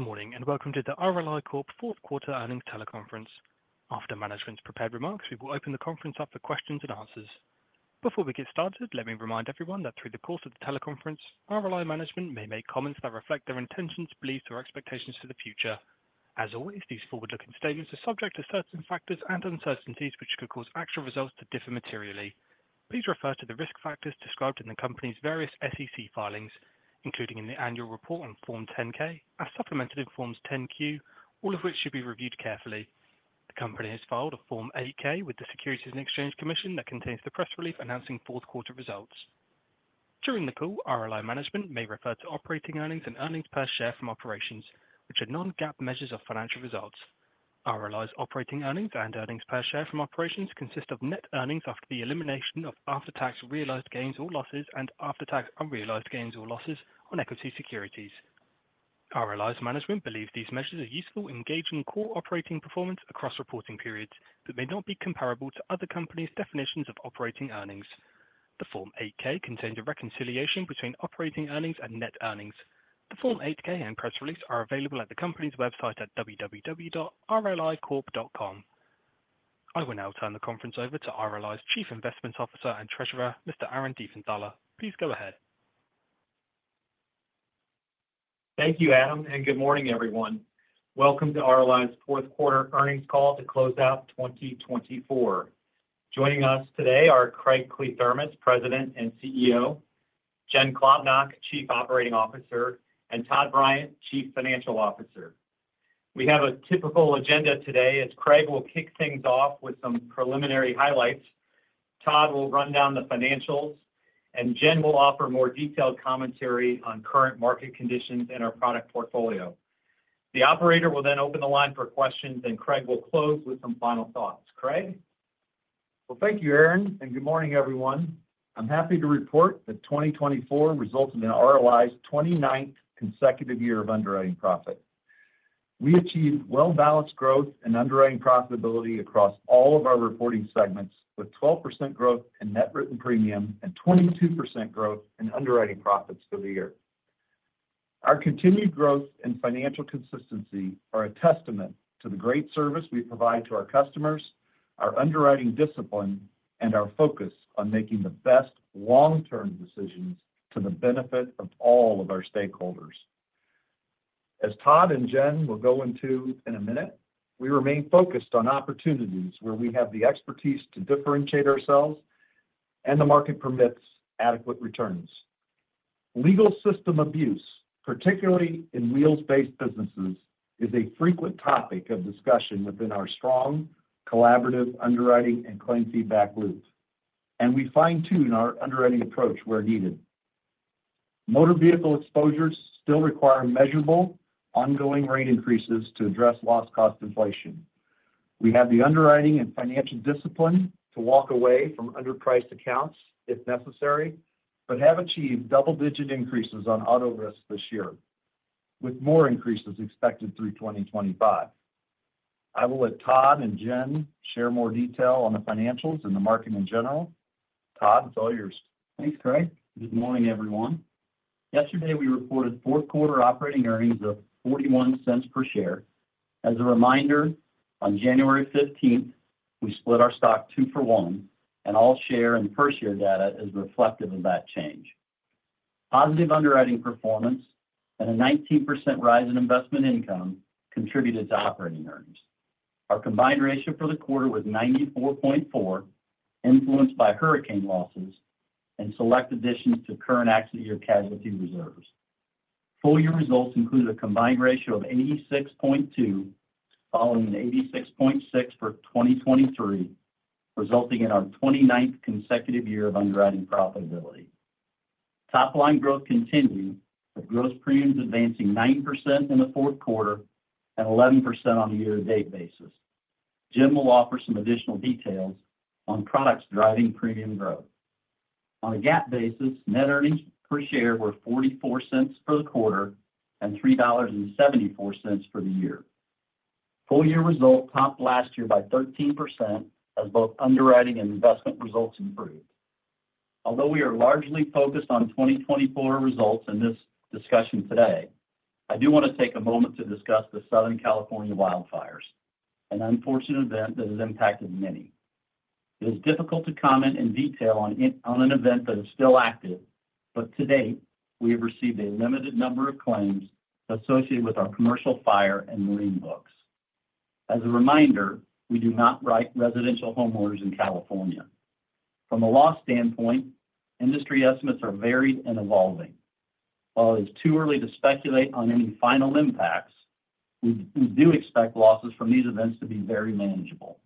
Good morning and welcome to the RLI Corp fourth quarter earnings teleconference. After management's prepared remarks, we will open the conference up for questions and answers. Before we get started, let me remind everyone that through the course of the teleconference, RLI management may make comments that reflect their intentions, beliefs, or expectations for the future. As always, these forward-looking statements are subject to certain factors and uncertainties which could cause actual results to differ materially. Please refer to the risk factors described in the company's various SEC filings, including in the annual report on Form 10-K, as supplemented in Forms 10-Q, all of which should be reviewed carefully. The company has filed a Form 8-K with the Securities and Exchange Commission that contains the press release announcing fourth quarter results. During the call, RLI management may refer to operating earnings and earnings per share from operations, which are non-GAAP measures of financial results. RLI's operating earnings and earnings per share from operations consist of net earnings after the elimination of after-tax realized gains or losses and after-tax unrealized gains or losses on equity securities. RLI's management believes these measures are useful in gauging core operating performance across reporting periods that may not be comparable to other companies' definitions of operating earnings. The Form 8-K contains a reconciliation between operating earnings and net earnings. The Form 8-K and press release are available at the company's website at www.rlicorp.com. I will now turn the conference over to RLI's Chief Investment Officer and Treasurer, Mr. Aaron Diefenthaler. Please go ahead. Thank you, Adam, and good morning, everyone. Welcome to RLI's fourth quarter earnings call to close out 2024. Joining us today are Craig Kliethermes, President and CEO; Jen Klobnak, Chief Operating Officer; and Todd Bryant, Chief Financial Officer. We have a typical agenda today, as Craig will kick things off with some preliminary highlights. Todd will run down the financials, and Jen will offer more detailed commentary on current market conditions and our product portfolio. The operator will then open the line for questions, and Craig will close with some final thoughts. Craig? Thank you, Aaron, and good morning, everyone. I'm happy to report that 2024 resulted in RLI's 29th consecutive year of underwriting profit. We achieved well-balanced growth and underwriting profitability across all of our reporting segments, with 12% growth in net written premium and 22% growth in underwriting profits for the year. Our continued growth and financial consistency are a testament to the great service we provide to our customers, our underwriting discipline, and our focus on making the best long-term decisions to the benefit of all of our stakeholders. As Todd and Jen will go into in a minute, we remain focused on opportunities where we have the expertise to differentiate ourselves and the market permits adequate returns. Legal system abuse, particularly in wheels-based businesses, is a frequent topic of discussion within our strong collaborative underwriting and claim feedback loop, and we fine-tune our underwriting approach where needed. Motor vehicle exposures still require measurable ongoing rate increases to address loss cost inflation. We have the underwriting and financial discipline to walk away from underpriced accounts if necessary, but have achieved double-digit increases on auto risks this year, with more increases expected through 2025. I will let Todd and Jen share more detail on the financials and the market in general. Todd, it's all yours. Thanks, Craig. Good morning, everyone. Yesterday, we reported fourth quarter operating earnings of $0.41 per share. As a reminder, on January 15th, we split our stock two for one, and all share and per share data is reflective of that change. Positive underwriting performance and a 19% rise in investment income contributed to operating earnings. Our combined ratio for the quarter was 94.4, influenced by hurricane losses and select additions to current accident year casualty reserves. Full year results included a combined ratio of 86.2, following an 86.6 for 2023, resulting in our 29th consecutive year of underwriting profitability. Top-line growth continued, with gross premiums advancing 9% in the fourth quarter and 11% on a year-to-date basis. Jen will offer some additional details on products driving premium growth. On a GAAP basis, net earnings per share were $0.44 for the quarter and $3.74 for the year. Full year results topped last year by 13% as both underwriting and investment results improved. Although we are largely focused on 2024 results in this discussion today, I do want to take a moment to discuss the Southern California wildfires, an unfortunate event that has impacted many. It is difficult to comment in detail on an event that is still active, but to date, we have received a limited number of claims associated with our commercial fire and marine books. As a reminder, we do not write residential homeowners in California. From a loss standpoint, industry estimates are varied and evolving. While it is too early to speculate on any final impacts, we do expect losses from these events to be very manageable.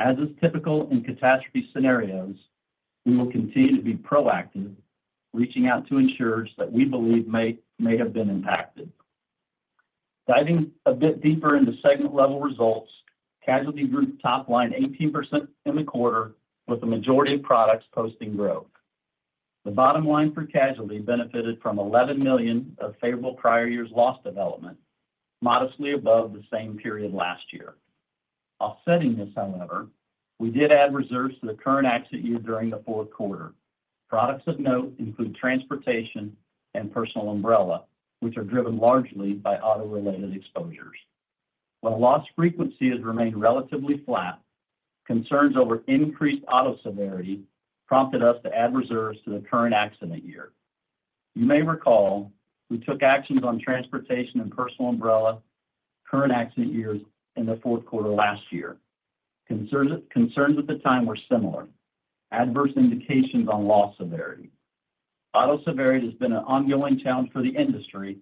As is typical in catastrophe scenarios, we will continue to be proactive, reaching out to insureds that we believe may have been impacted. Diving a bit deeper into segment-level results, Casualty grew top-line 18% in the quarter, with a majority of products posting growth. The bottom line for casualty benefited from $11 million of favorable prior year's loss development, modestly above the same period last year. Offsetting this, however, we did add reserves to the current accident year during the fourth quarter. Products of note include transportation and personal umbrella, which are driven largely by auto-related exposures. While loss frequency has remained relatively flat, concerns over increased auto severity prompted us to add reserves to the current accident year. You may recall we took actions on transportation and personal umbrella current accident years in the fourth quarter last year. Concerns at the time were similar, adverse indications on loss severity. Auto severity has been an ongoing challenge for the industry,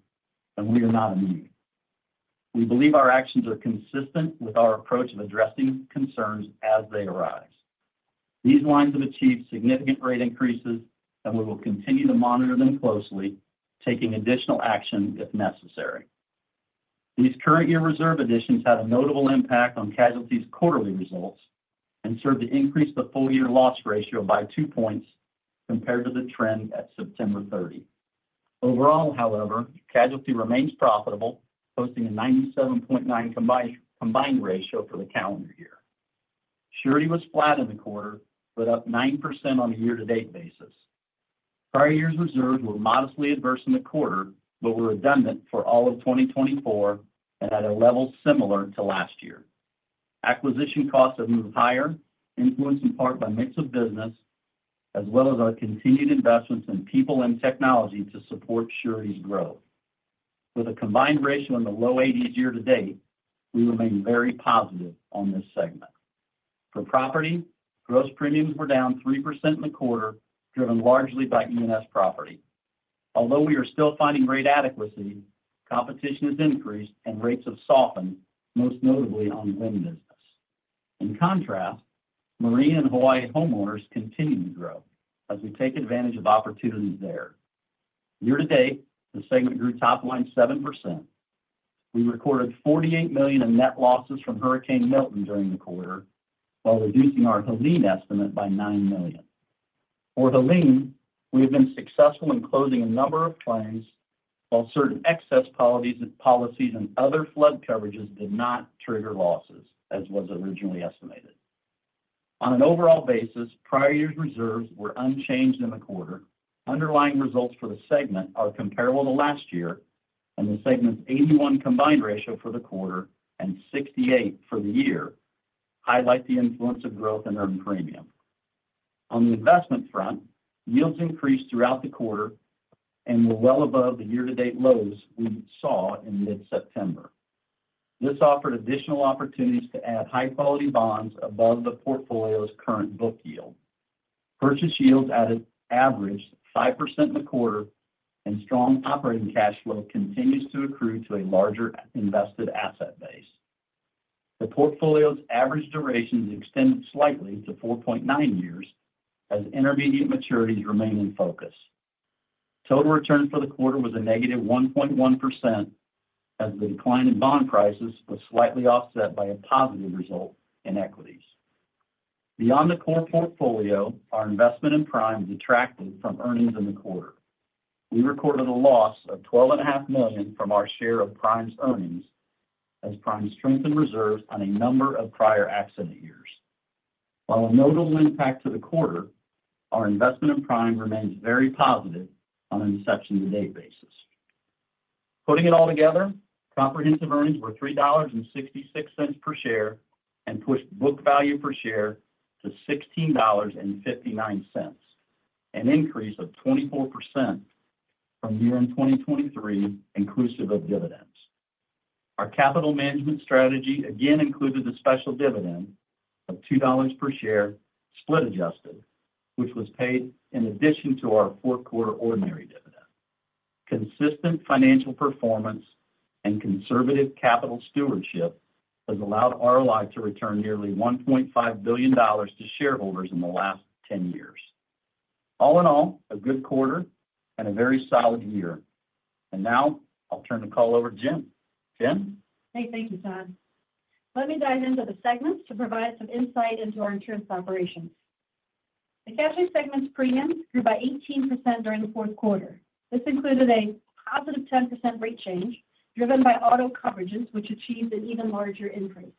and we are not immune. We believe our actions are consistent with our approach of addressing concerns as they arise. These lines have achieved significant rate increases, and we will continue to monitor them closely, taking additional action if necessary. These current year reserve additions had a notable impact on Casualty's quarterly results and served to increase the full year loss ratio by two points compared to the trend at September 30. Overall, however, Casualty remains profitable, posting a 97.9% combined ratio for the calendar year. Surety was flat in the quarter, but up 9% on a year-to-date basis. Prior year's reserves were modestly adverse in the quarter, but were redundant for all of 2024 and at a level similar to last year. Acquisition costs have moved higher, influenced in part by mix of business, as well as our continued investments in people and technology to support Surety's growth. With a combined ratio in the low 80s year-to-date, we remain very positive on this segment. For property, gross premiums were down 3% in the quarter, driven largely by E&S property. Although we are still finding rate adequacy, competition has increased and rates have softened, most notably on wind business. In contrast, marine and Hawaii Homeowners continue to grow as we take advantage of opportunities there. Year-to-date, the segment grew top-line 7%. We recorded $48 million in net losses from Hurricane Milton during the quarter, while reducing our Helene estimate by $9 million. For Helene, we have been successful in closing a number of claims while certain excess policies and other flood coverages did not trigger losses, as was originally estimated. On an overall basis, prior year's reserves were unchanged in the quarter. Underlying results for the segment are comparable to last year, and the segment's 81 combined ratio for the quarter and 68 for the year highlight the influence of growth in earned premium. On the investment front, yields increased throughout the quarter and were well above the year-to-date lows we saw in mid-September. This offered additional opportunities to add high-quality bonds above the portfolio's current book yield. Purchase yields averaged 5% in the quarter, and strong operating cash flow continues to accrue to a larger invested asset base. The portfolio's average duration extended slightly to 4.9 years as intermediate maturities remain in focus. Total return for the quarter was a negative 1.1%, as the decline in bond prices was slightly offset by a positive result in equities. Beyond the core portfolio, our investment in Prime detracted from earnings in the quarter. We recorded a loss of $12.5 million from our share of Prime's earnings as Prime strengthened reserves on a number of prior accident years. While a notable impact to the quarter, our investment in Prime remains very positive on an inception-to-date basis. Putting it all together, comprehensive earnings were $3.66 per share and pushed book value per share to $16.59, an increase of 24% from year-end 2023, inclusive of dividends. Our capital management strategy again included the special dividend of $2 per share, split adjusted, which was paid in addition to our fourth quarter ordinary dividend. Consistent financial performance and conservative capital stewardship has allowed RLI to return nearly $1.5 billion to shareholders in the last 10 years. All in all, a good quarter and a very solid year. And now I'll turn the call over to Jen. Jen? Hey, thank you, Todd. Let me dive into the segments to provide some insight into our insureds' operations. The casualty segment's premiums grew by 18% during the fourth quarter. This included a positive 10% rate change driven by auto coverages, which achieved an even larger increase.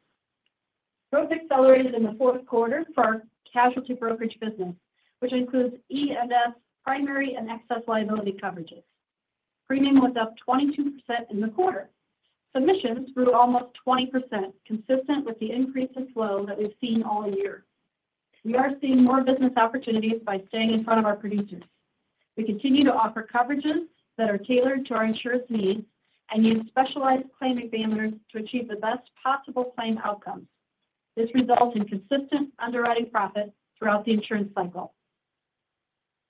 Growth accelerated in the fourth quarter for our Casualty Brokerage business, which includes E&S primary and excess liability coverages. Premium was up 22% in the quarter. Submissions grew almost 20%, consistent with the increase in flow that we've seen all year. We are seeing more business opportunities by staying in front of our producers. We continue to offer coverages that are tailored to our insureds' needs and use specialized claim examiners to achieve the best possible claim outcomes. This results in consistent underwriting profit throughout the insureds' cycle.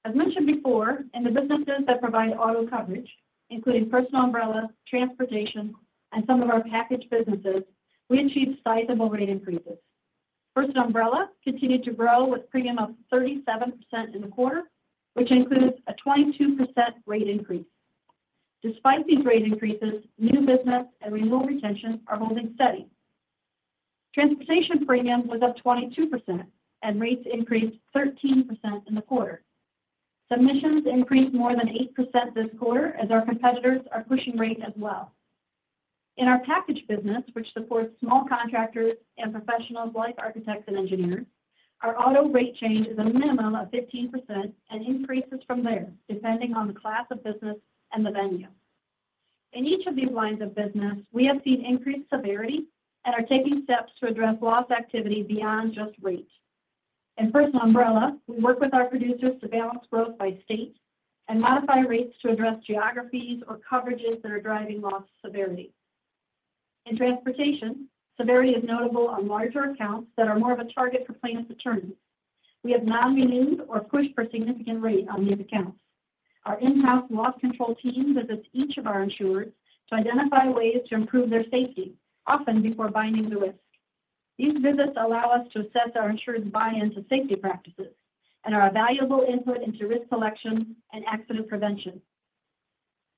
As mentioned before, in the businesses that provide auto coverage, including personal umbrella, transportation, and some of our package businesses, we achieved sizable rate increases. Personal umbrella continued to grow with premium of 37% in the quarter, which includes a 22% rate increase. Despite these rate increases, new business and renewal retention are holding steady. Transportation premium was up 22%, and rates increased 13% in the quarter. Submissions increased more than 8% this quarter, as our competitors are pushing rate as well. In our package business, which supports small contractors and professionals like architects and engineers, our auto rate change is a minimum of 15% and increases from there, depending on the class of business and the venue. In each of these lines of business, we have seen increased severity and are taking steps to address loss activity beyond just rate. In personal umbrella, we work with our producers to balance growth by state and modify rates to address geographies or coverages that are driving loss severity. In transportation, severity is notable on larger accounts that are more of a target for plaintiff's attorneys. We have non-renewed or pushed for significant rate on these accounts. Our in-house loss control team visits each of our insureds to identify ways to improve their safety, often before binding the risk. These visits allow us to assess our insured's buy-in to safety practices and are a valuable input into risk selection and accident prevention.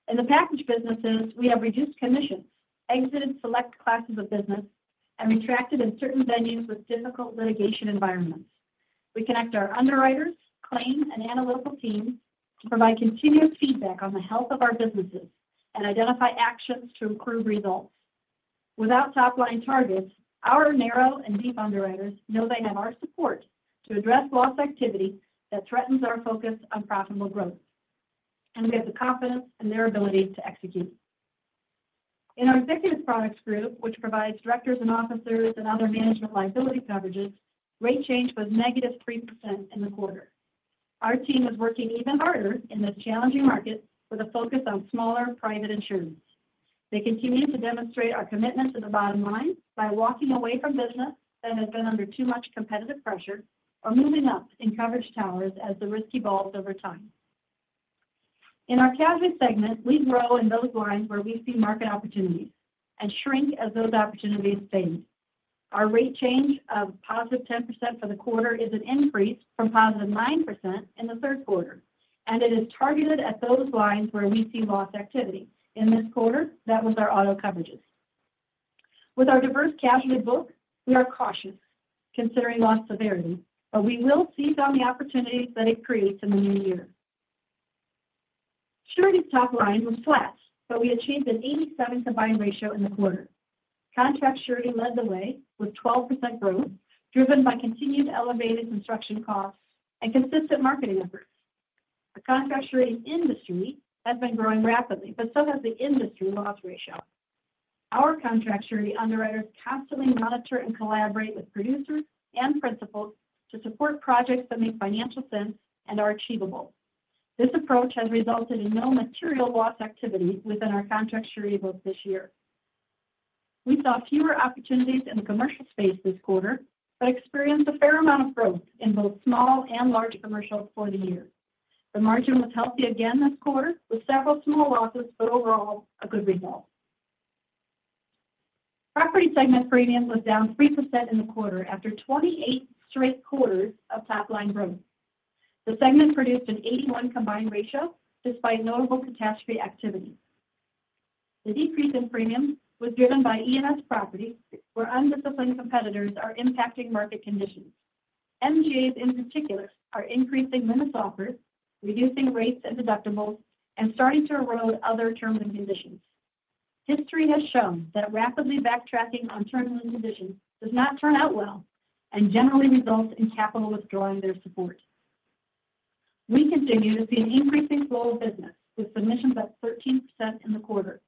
In the package businesses, we have reduced commissions, exited select classes of business, and retracted in certain venues with difficult litigation environments. We connect our underwriters, claim, and analytical teams to provide continuous feedback on the health of our businesses and identify actions to improve results. Without top-line targets, our narrow and deep underwriters know they have our support to address loss activity that threatens our focus on profitable growth, and we have the confidence in their ability to execute. In our Executive Products Group, which provides directors and officers and other management liability coverages, rate change was negative 3% in the quarter. Our team is working even harder in this challenging market with a focus on smaller private insureds. They continue to demonstrate our commitment to the bottom line by walking away from business that has been under too much competitive pressure or moving up in coverage towers as the risk evolves over time. In our casualty segment, we grow in those lines where we see market opportunities and shrink as those opportunities fade. Our rate change of positive 10% for the quarter is an increase from positive 9% in the third quarter, and it is targeted at those lines where we see loss activity. In this quarter, that was our auto coverages. With our diverse casualty book, we are cautious considering loss severity, but we will seize on the opportunities that it creates in the new year. Surety's top-line was flat, but we achieved an 87 combined ratio in the quarter. Contract surety led the way with 12% growth, driven by continued elevated construction costs and consistent marketing efforts. The contract surety industry has been growing rapidly, but so has the industry loss ratio. Our contract surety underwriters constantly monitor and collaborate with producers and principals to support projects that make financial sense and are achievable. This approach has resulted in no material loss activity within our contract surety book this year. We saw fewer opportunities in the commercial space this quarter but experienced a fair amount of growth in both small and large commercials for the year. The margin was healthy again this quarter with several small losses, but overall a good result. Property segment premiums were down 3% in the quarter after 28 straight quarters of top-line growth. The segment produced an 81 combined ratio despite notable catastrophe activity. The decrease in premiums was driven by E&S property, where undisciplined competitors are impacting market conditions. MGAs, in particular, are increasing limits offers, reducing rates and deductibles, and starting to erode other terms and conditions. History has shown that rapidly backtracking on terms and conditions does not turn out well and generally results in capital withdrawing their support. We continue to see an increasing flow of business with submissions up 13% in the quarter.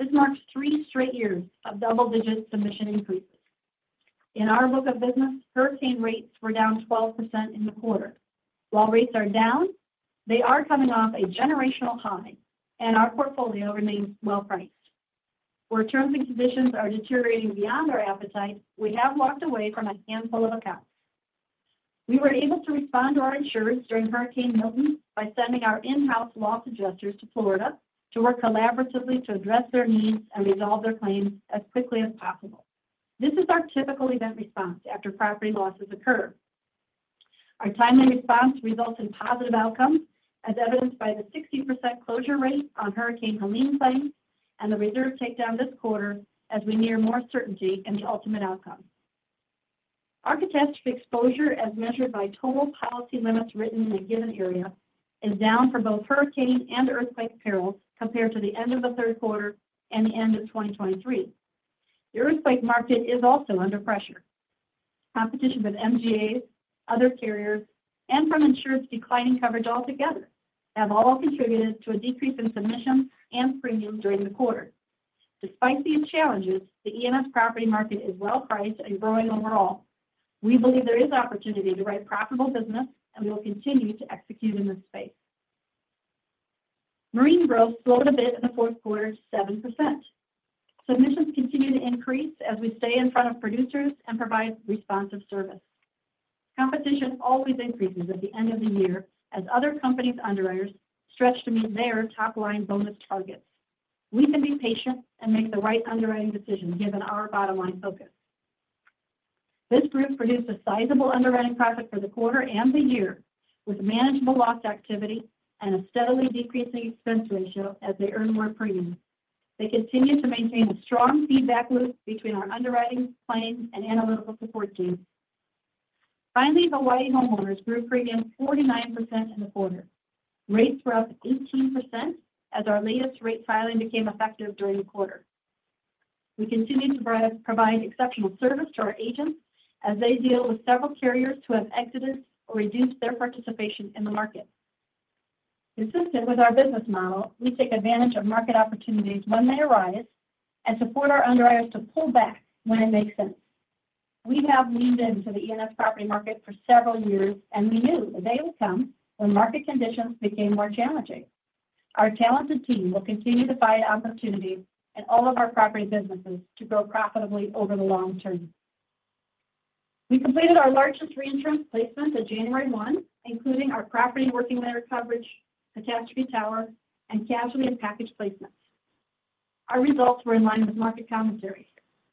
This marks three straight years of double-digit submission increases. In our book of business, hurricane rates were down 12% in the quarter. While rates are down, they are coming off a generational high, and our portfolio remains well priced. Where terms and conditions are deteriorating beyond our appetite, we have walked away from a handful of accounts. We were able to respond to our insureds during Hurricane Milton by sending our in-house loss adjusters to Florida to work collaboratively to address their needs and resolve their claims as quickly as possible. This is our typical event response after property losses occur. Our timely response results in positive outcomes, as evidenced by the 60% closure rate on Hurricane Helene claims and the reserve takedown this quarter as we near more certainty in the ultimate outcome. Our catastrophe exposure, as measured by total policy limits written in a given area, is down for both hurricane and earthquake perils compared to the end of the third quarter and the end of 2023. The earthquake market is also under pressure. Competition with MGAs, other carriers, and from insureds declining coverage altogether have all contributed to a decrease in submissions and premiums during the quarter. Despite these challenges, the E&S property market is well priced and growing overall. We believe there is opportunity to write profitable business, and we will continue to execute in this space. Marine growth slowed a bit in the fourth quarter to 7%. Submissions continue to increase as we stay in front of producers and provide responsive service. Competition always increases at the end of the year as other companies' underwriters stretch to meet their top-line bonus targets. We can be patient and make the right underwriting decision given our bottom line focus. This group produced a sizable underwriting profit for the quarter and the year with manageable loss activity and a steadily decreasing expense ratio as they earn more premiums. They continue to maintain a strong feedback loop between our underwriting, claim, and analytical support teams. Finally, Hawaii Homeowners grew premiums 49% in the quarter. Rates were up 18% as our latest rate filing became effective during the quarter. We continue to provide exceptional service to our agents as they deal with several carriers who have exited or reduced their participation in the market. Consistent with our business model, we take advantage of market opportunities when they arise and support our underwriters to pull back when it makes sense. We have leaned into the E&S property market for several years, and we knew that they would come when market conditions became more challenging. Our talented team will continue to find opportunities in all of our property businesses to grow profitably over the long term. We completed our largest reinsurance placement on January 1, including our property working layer coverage, catastrophe tower, and casualty and package placements. Our results were in line with market commentary.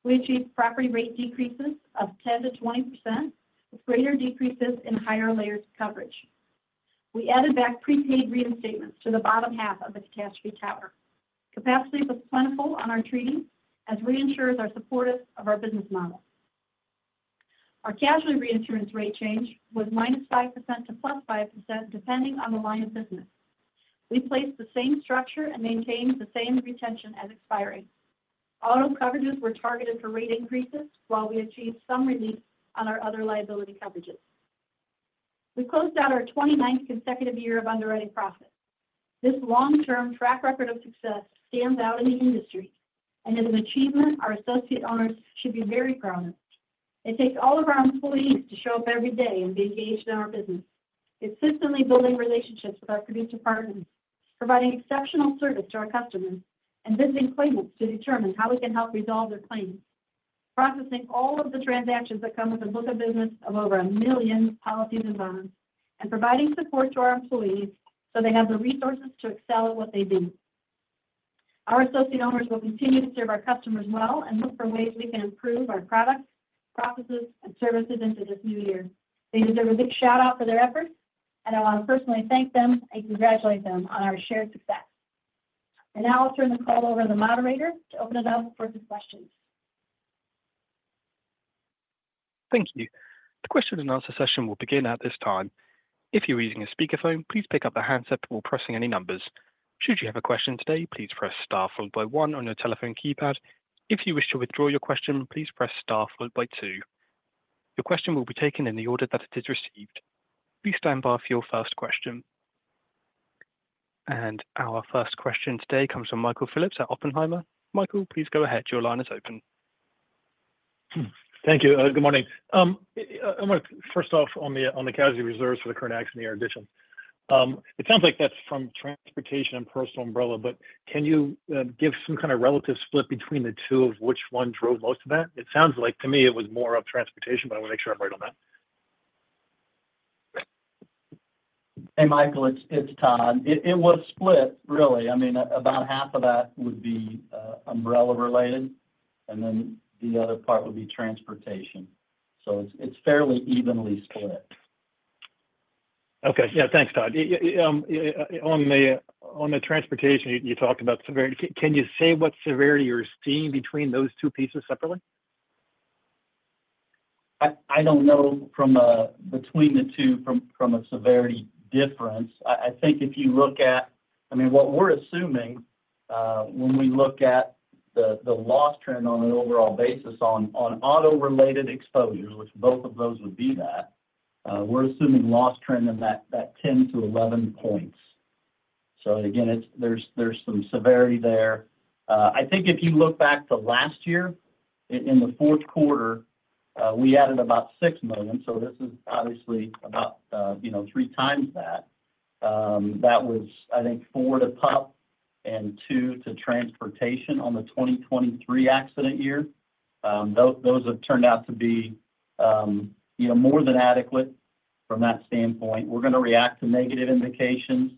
We achieved property rate decreases of 10%-20% with greater decreases in higher layers of coverage. We added back prepaid reinstatements to the bottom half of the catastrophe tower. Capacity was plentiful on our treaties as reinsurers are supportive of our business model. Our casualty reinsurance rate change was -5% to +5% depending on the line of business. We placed the same structure and maintained the same retention as expiring. Auto coverages were targeted for rate increases while we achieved some relief on our other liability coverages. We closed out our 29th consecutive year of underwriting profit. This long-term track record of success stands out in the industry, and as an achievement, our associate owners should be very proud of. It takes all of our employees to show up every day and be engaged in our business, consistently building relationships with our producer partners, providing exceptional service to our customers, and visiting claimants to determine how we can help resolve their claims, processing all of the transactions that come with a book of business of over a million policies and bonds, and providing support to our employees so they have the resources to excel at what they do. Our associate owners will continue to serve our customers well and look for ways we can improve our products, processes, and services into this new year. They deserve a big shout-out for their efforts, and I want to personally thank them and congratulate them on our shared success, and now I'll turn the call over to the moderator to open it up for some questions. Thank you. The question and answer session will begin at this time. If you're using a speakerphone, please pick up the handset while pressing any numbers. Should you have a question today, please press star followed by one on your telephone keypad. If you wish to withdraw your question, please press star followed by two. Your question will be taken in the order that it is received. Please stand by for your first question. And our first question today comes from Michael Phillips at Oppenheimer. Michael, please go ahead. Your line is open. Thank you. Good morning. I want to first off on the casualty reserves for the current accident year, additions. It sounds like that's from transportation and personal umbrella, but can you give some kind of relative split between the two of which one drove most of that? It sounds like to me it was more of transportation, but I want to make sure I'm right on that. Hey, Michael, it's Todd. It was split, really. I mean, about half of that would be umbrella-related, and then the other part would be transportation. So it's fairly evenly split. Okay. Yeah, thanks, Todd. On the transportation, you talked about severity. Can you say what severity you're seeing between those two pieces separately? I don't know between the two from a severity difference. I think if you look at, I mean, what we're assuming when we look at the loss trend on an overall basis on auto-related exposures, which both of those would be that, we're assuming loss trend in that 10-11 points. So again, there's some severity there. I think if you look back to last year, in the fourth quarter, we added about $6 million. So this is obviously about three times that. That was, I think, four to comp and two to transportation on the 2023 accident year. Those have turned out to be more than adequate from that standpoint. We're going to react to negative indications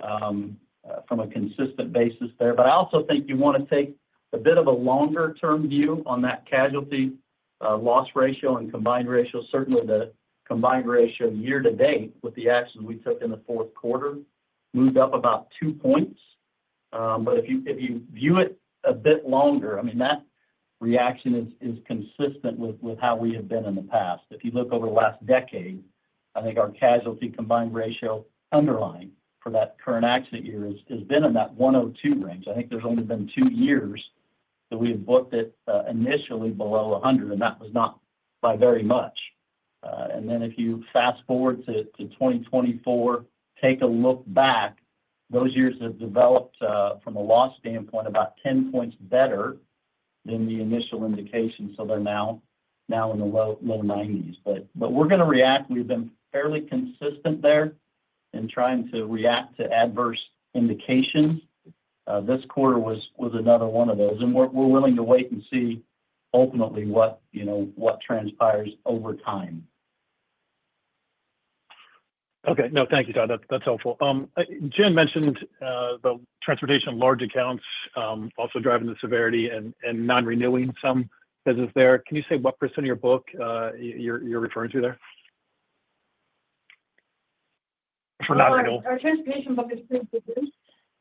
from a consistent basis there, but I also think you want to take a bit of a longer-term view on that casualty loss ratio and combined ratio. Certainly, the combined ratio year to date with the actions we took in the fourth quarter moved up about two points. But if you view it a bit longer, I mean, that reaction is consistent with how we have been in the past. If you look over the last decade, I think our casualty combined ratio underlying for that current accident year has been in that 102 range. I think there's only been two years that we have booked it initially below 100, and that was not by very much. And then if you fast forward to 2024, take a look back, those years have developed from a loss standpoint about 10 points better than the initial indication. So they're now in the low 90s. But we're going to react. We've been fairly consistent there in trying to react to adverse indications. This quarter was another one of those. We're willing to wait and see ultimately what transpires over time. Okay. No, thank you, Todd. That's helpful. Jen mentioned the transportation large accounts also driving the severity and non-renewing some business there. Can you say what % of your book you're referring to there? Our transportation book is pretty diverse.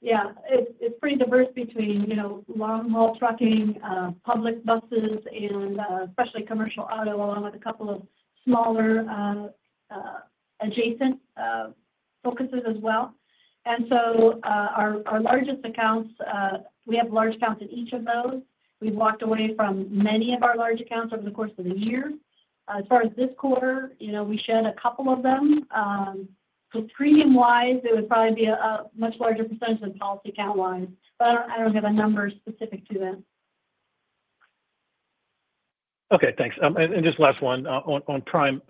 Yeah. It's pretty diverse between long-haul trucking, public buses, and especially commercial auto, along with a couple of smaller adjacent focuses as well. And so our largest accounts, we have large accounts in each of those. We've walked away from many of our large accounts over the course of the year. As far as this quarter, we shed a couple of them. So premium-wise, it would probably be a much larger percentage than policy account-wise. But I don't have a number specific to that. Okay. Thanks. And just last one on Prime.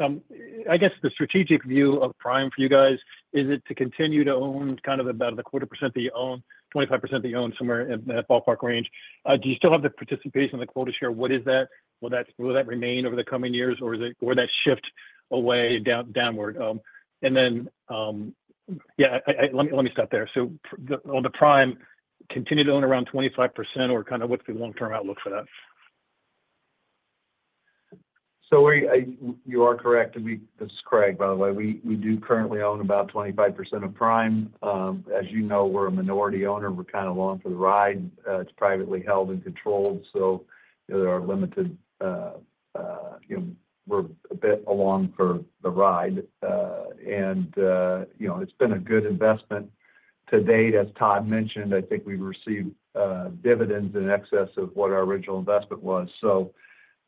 I guess the strategic view of Prime for you guys, is it to continue to own kind of about a quarter that you own, 25% that you own somewhere in that ballpark range? Do you still have the participation of the quota share? What is that? Will that remain over the coming years, or will that shift away downward? And then, yeah, let me stop there. So on the Prime, continue to own around 25% or kind of what's the long-term outlook for that? So you are correct. This is Craig, by the way. We do currently own about 25% of Prime. As you know, we're a minority owner. We're kind of along for the ride. It's privately held and controlled. And we're a bit along for the ride. And it's been a good investment to date. As Todd mentioned, I think we've received dividends in excess of what our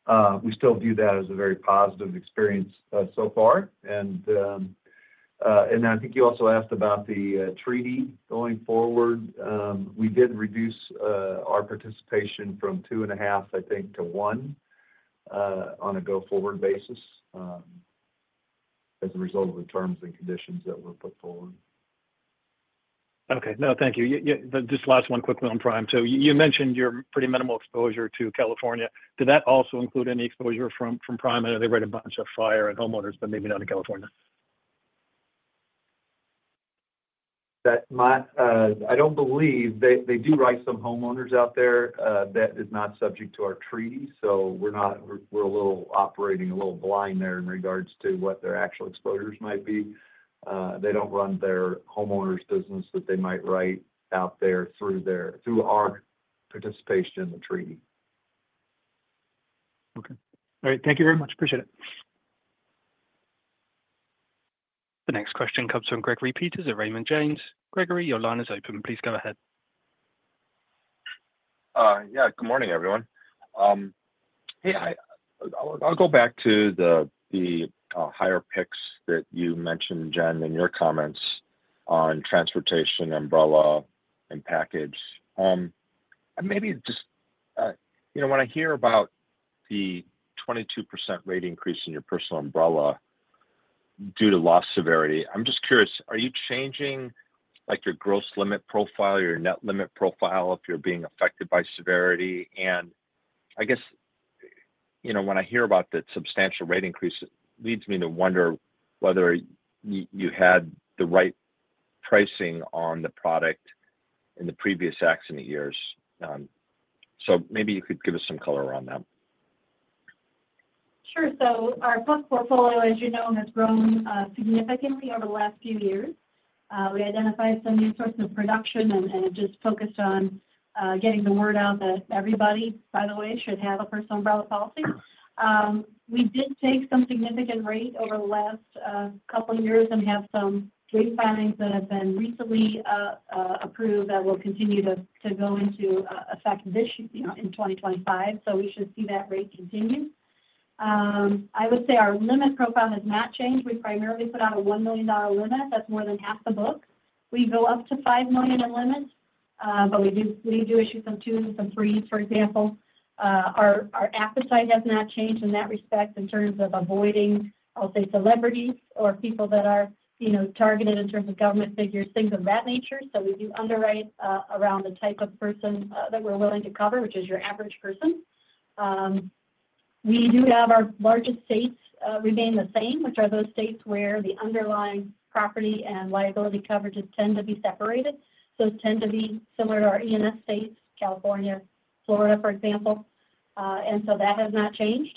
original investment was. So we still view that as a very positive experience so far. And then I think you also asked about the treaty going forward. We did reduce our participation from two and a half, I think, to one on a go-forward basis as a result of the terms and conditions that were put forward. Okay. No, thank you. Just last one quickly on Prime. So you mentioned your pretty minimal exposure to California. Did that also include any exposure from Prime? I know they write a bunch of fire and homeowners, but maybe not in California. I don't believe they do write some homeowners out there. That is not subject to our treaty. So we're operating a little blind there in regards to what their actual exposures might be. They don't run their homeowners' business that they might write out there through our participation in the treaty. Okay. All right. Thank you very much. Appreciate it. The next question comes from Gregory Peters. Raymond James. Gregory, your line is open. Please go ahead. Yeah. Good morning, everyone. Hey, I'll go back to the higher picks that you mentioned, Jen, in your comments on transportation, umbrella, and package. And maybe just when I hear about the 22% rate increase in your personal umbrella due to loss severity, I'm just curious, are you changing your gross limit profile, your net limit profile if you're being affected by severity? And I guess when I hear about the substantial rate increase, it leads me to wonder whether you had the right pricing on the product in the previous accident years. So maybe you could give us some color around that. Sure. So our truck portfolio, as you know, has grown significantly over the last few years. We identified some new sources of production and just focused on getting the word out that everybody, by the way, should have a personal umbrella policy. We did take some significant rate over the last couple of years and have some rate filings that have been recently approved that will continue to go into effect in 2025. So we should see that rate continue. I would say our limit profile has not changed. We primarily put out a $1 million limit. That's more than half the book. We go up to $5 million in limits, but we do issue some twos and some threes, for example. Our appetite has not changed in that respect in terms of avoiding, I'll say, celebrities or people that are targeted in terms of government figures, things of that nature. So we do underwrite around the type of person that we're willing to cover, which is your average person. We do have our largest states remain the same, which are those states where the underlying property and liability coverages tend to be separated. So it tends to be similar to our E&S states, California, Florida, for example. And so that has not changed.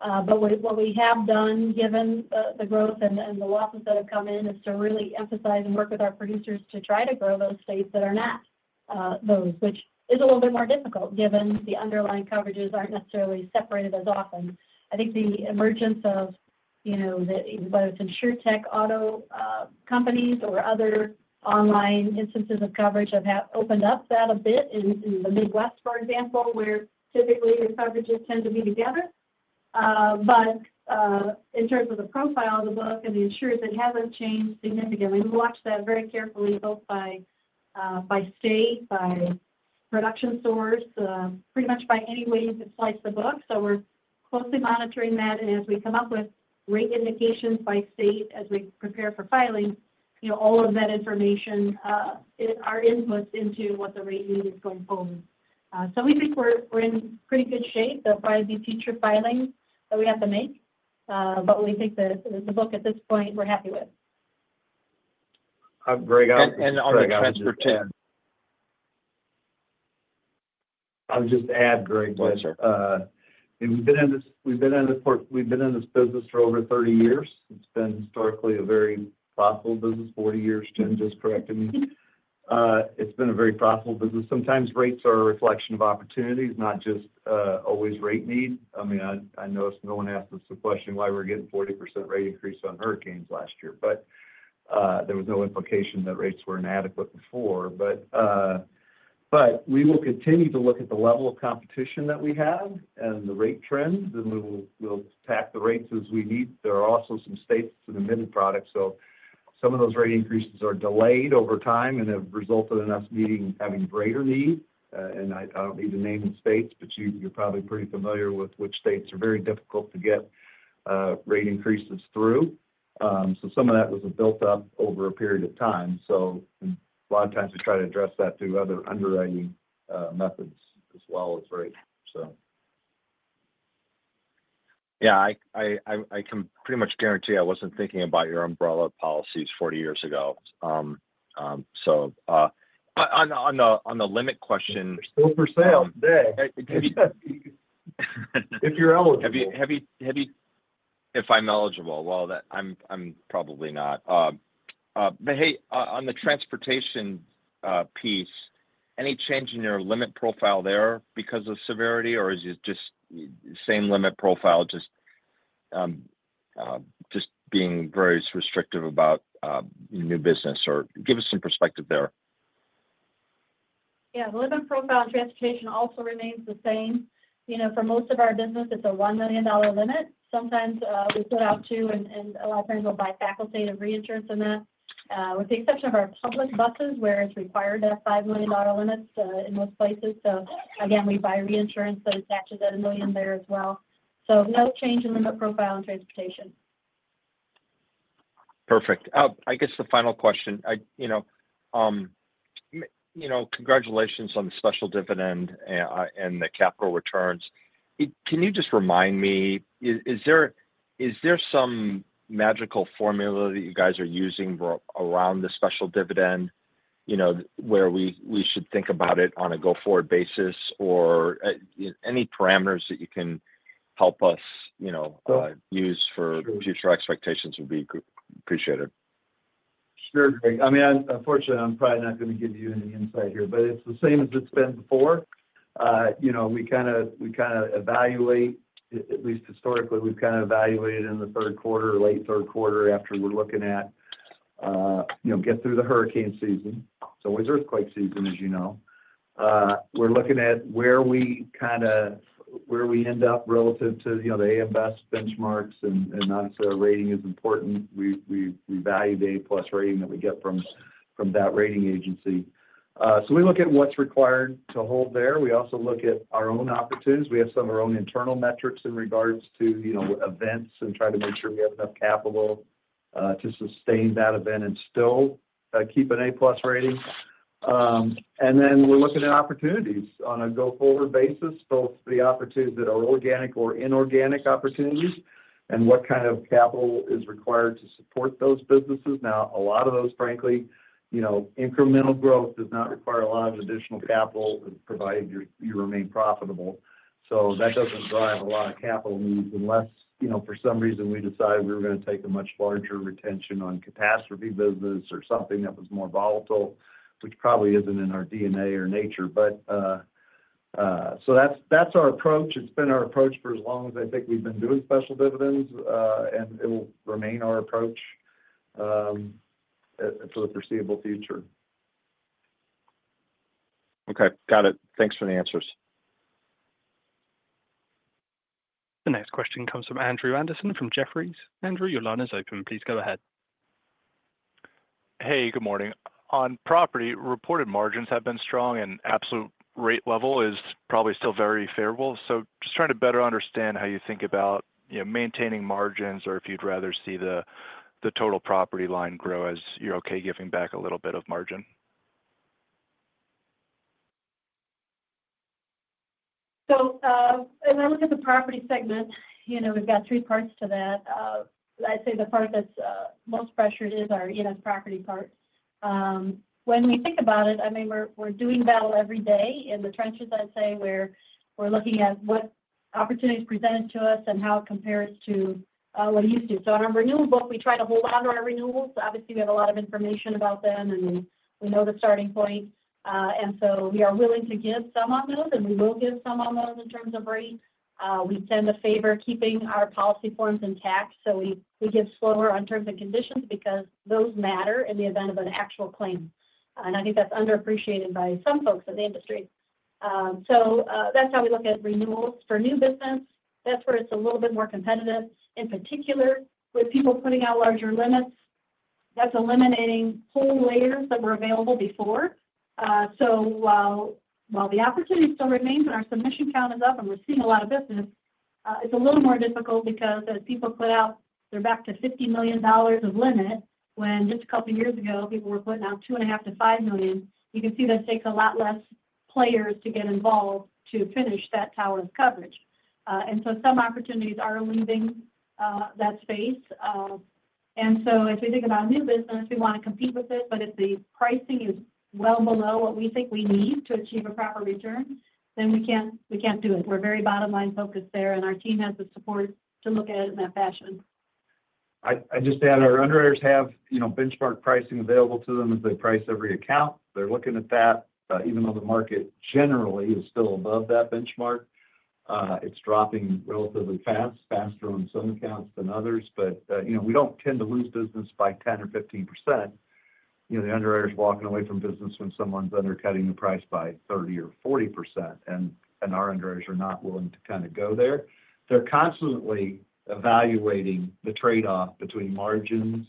But what we have done, given the growth and the losses that have come in, is to really emphasize and work with our producers to try to grow those states that are not those, which is a little bit more difficult given the underlying coverages aren't necessarily separated as often. I think the emergence of whether it's insurtech auto companies or other online instances of coverage have opened up that a bit in the Midwest, for example, where typically your coverages tend to be together. But in terms of the profile of the book and the insureds, it hasn't changed significantly. We watch that very carefully both by state, by production sources, pretty much by any way you could slice the book. So we're closely monitoring that. And as we come up with rate indications by state as we prepare for filing, all of that information is our inputs into what the rate need is going forward. So we think we're in pretty good shape. There'll probably be future filings that we have to make. But we think the book at this point, we're happy with. Craig, I'll just answer too I'll just add, Craig No, sir. We've been in this business for over 30 years. It's been historically a very profitable business. 40 years, Jen, just correcting me. It's been a very profitable business. Sometimes rates are a reflection of opportunities, not just always rate need. I mean, I noticed no one asked us the question why we're getting 40% rate increase on hurricanes last year, but there was no implication that rates were inadequate before. But we will continue to look at the level of competition that we have and the rate trend, and we'll track the rates as we need. There are also some states that have admitted products. So some of those rate increases are delayed over time and have resulted in us having greater need. I don't need to name the states, but you're probably pretty familiar with which states are very difficult to get rate increases through. Some of that was built up over a period of time. A lot of times we try to address that through other underwriting methods as well as rates, so. Yeah. I can pretty much guarantee I wasn't thinking about your umbrella policies 40 years ago. So on the limit question. Still for sale today. If you're eligible. If I'm eligible. Well, I'm probably not. But hey, on the transportation piece, any change in your limit profile there because of severity, or is it just same limit profile, just being very restrictive about new business? Or give us some perspective there. Yeah. The limit profile on transportation also remains the same. For most of our business, it's a $1 million limit. Sometimes we put out two, and a lot of times we'll buy facultative reinsurance in that. With the exception of our public buses, where it's required to have $5 million limits in most places. So again, we buy reinsurance that attaches at a million there as well. So no change in limit profile in transportation. Perfect. I guess the final question. Congratulations on the special dividend and the capital returns. Can you just remind me, is there some magical formula that you guys are using around the special dividend where we should think about it on a go-forward basis or any parameters that you can help us use for future expectations would be appreciated? Sure, Greg. I mean, unfortunately, I'm probably not going to give you any insight here, but it's the same as it's been before. We kind of evaluate, at least historically, we've kind of evaluated in the third quarter, late third quarter after we get through the hurricane season. It's always earthquake season, as you know. We're looking at where we end up relative to the AM Best benchmarks. And obviously, our rating is important. We value the A-plus rating that we get from that rating agency. So we look at what's required to hold there. We also look at our own opportunities. We have some of our own internal metrics in regards to events and try to make sure we have enough capital to sustain that event and still keep an A-plus rating. And then we're looking at opportunities on a go-forward basis, both the opportunities that are organic or inorganic opportunities and what kind of capital is required to support those businesses. Now, a lot of those, frankly, incremental growth does not require a lot of additional capital provided you remain profitable. So that doesn't drive a lot of capital needs unless for some reason we decide we were going to take a much larger retention on catastrophe business or something that was more volatile, which probably isn't in our DNA or nature. But so that's our approach. It's been our approach for as long as I think we've been doing special dividends, and it will remain our approach for the foreseeable future. Okay. Got it. Thanks for the answers. The next question comes Andrew Andersen from Jefferies. Andrew, your line is open. Please go ahead. Hey, good morning. On property, reported margins have been strong, and absolute rate level is probably still very favorable, so just trying to better understand how you think about maintaining margins or if you'd rather see the total property line grow as you're okay giving back a little bit of margin. So as I look at the property segment, we've got three parts to that. I'd say the part that's most pressured is our E&S property part. When we think about it, I mean, we're doing battle every day in the trenches, I'd say, where we're looking at what opportunities presented to us and how it compares to what it used to. So on our renewal book, we try to hold on to our renewals. Obviously, we have a lot of information about them, and we know the starting point. And so we are willing to give some on those, and we will give some on those in terms of rate. We tend to favor keeping our policy forms intact, so we give slower on terms and conditions because those matter in the event of an actual claim. And I think that's underappreciated by some folks in the industry. So that's how we look at renewals. For new business, that's where it's a little bit more competitive. In particular, with people putting out larger limits, that's eliminating whole layers that were available before. So while the opportunity still remains and our submission count is up and we're seeing a lot of business, it's a little more difficult because as people put out, they're back to $50 million of limit when just a couple of years ago, people were putting out $2.5-$5 million. You can see that it takes a lot less players to get involved to finish that tower of coverage. And so some opportunities are leaving that space. And so if we think about new business, we want to compete with it, but if the pricing is well below what we think we need to achieve a proper return, then we can't do it. We're very bottom-line focused there, and our team has the support to look at it in that fashion. I just add our underwriters have benchmark pricing available to them as they price every account. They're looking at that. Even though the market generally is still above that benchmark, it's dropping relatively fast, faster on some accounts than others. But we don't tend to lose business by 10% or 15%. The underwriter's walking away from business when someone's undercutting the price by 30% or 40%, and our underwriters are not willing to kind of go there. They're constantly evaluating the trade-off between margins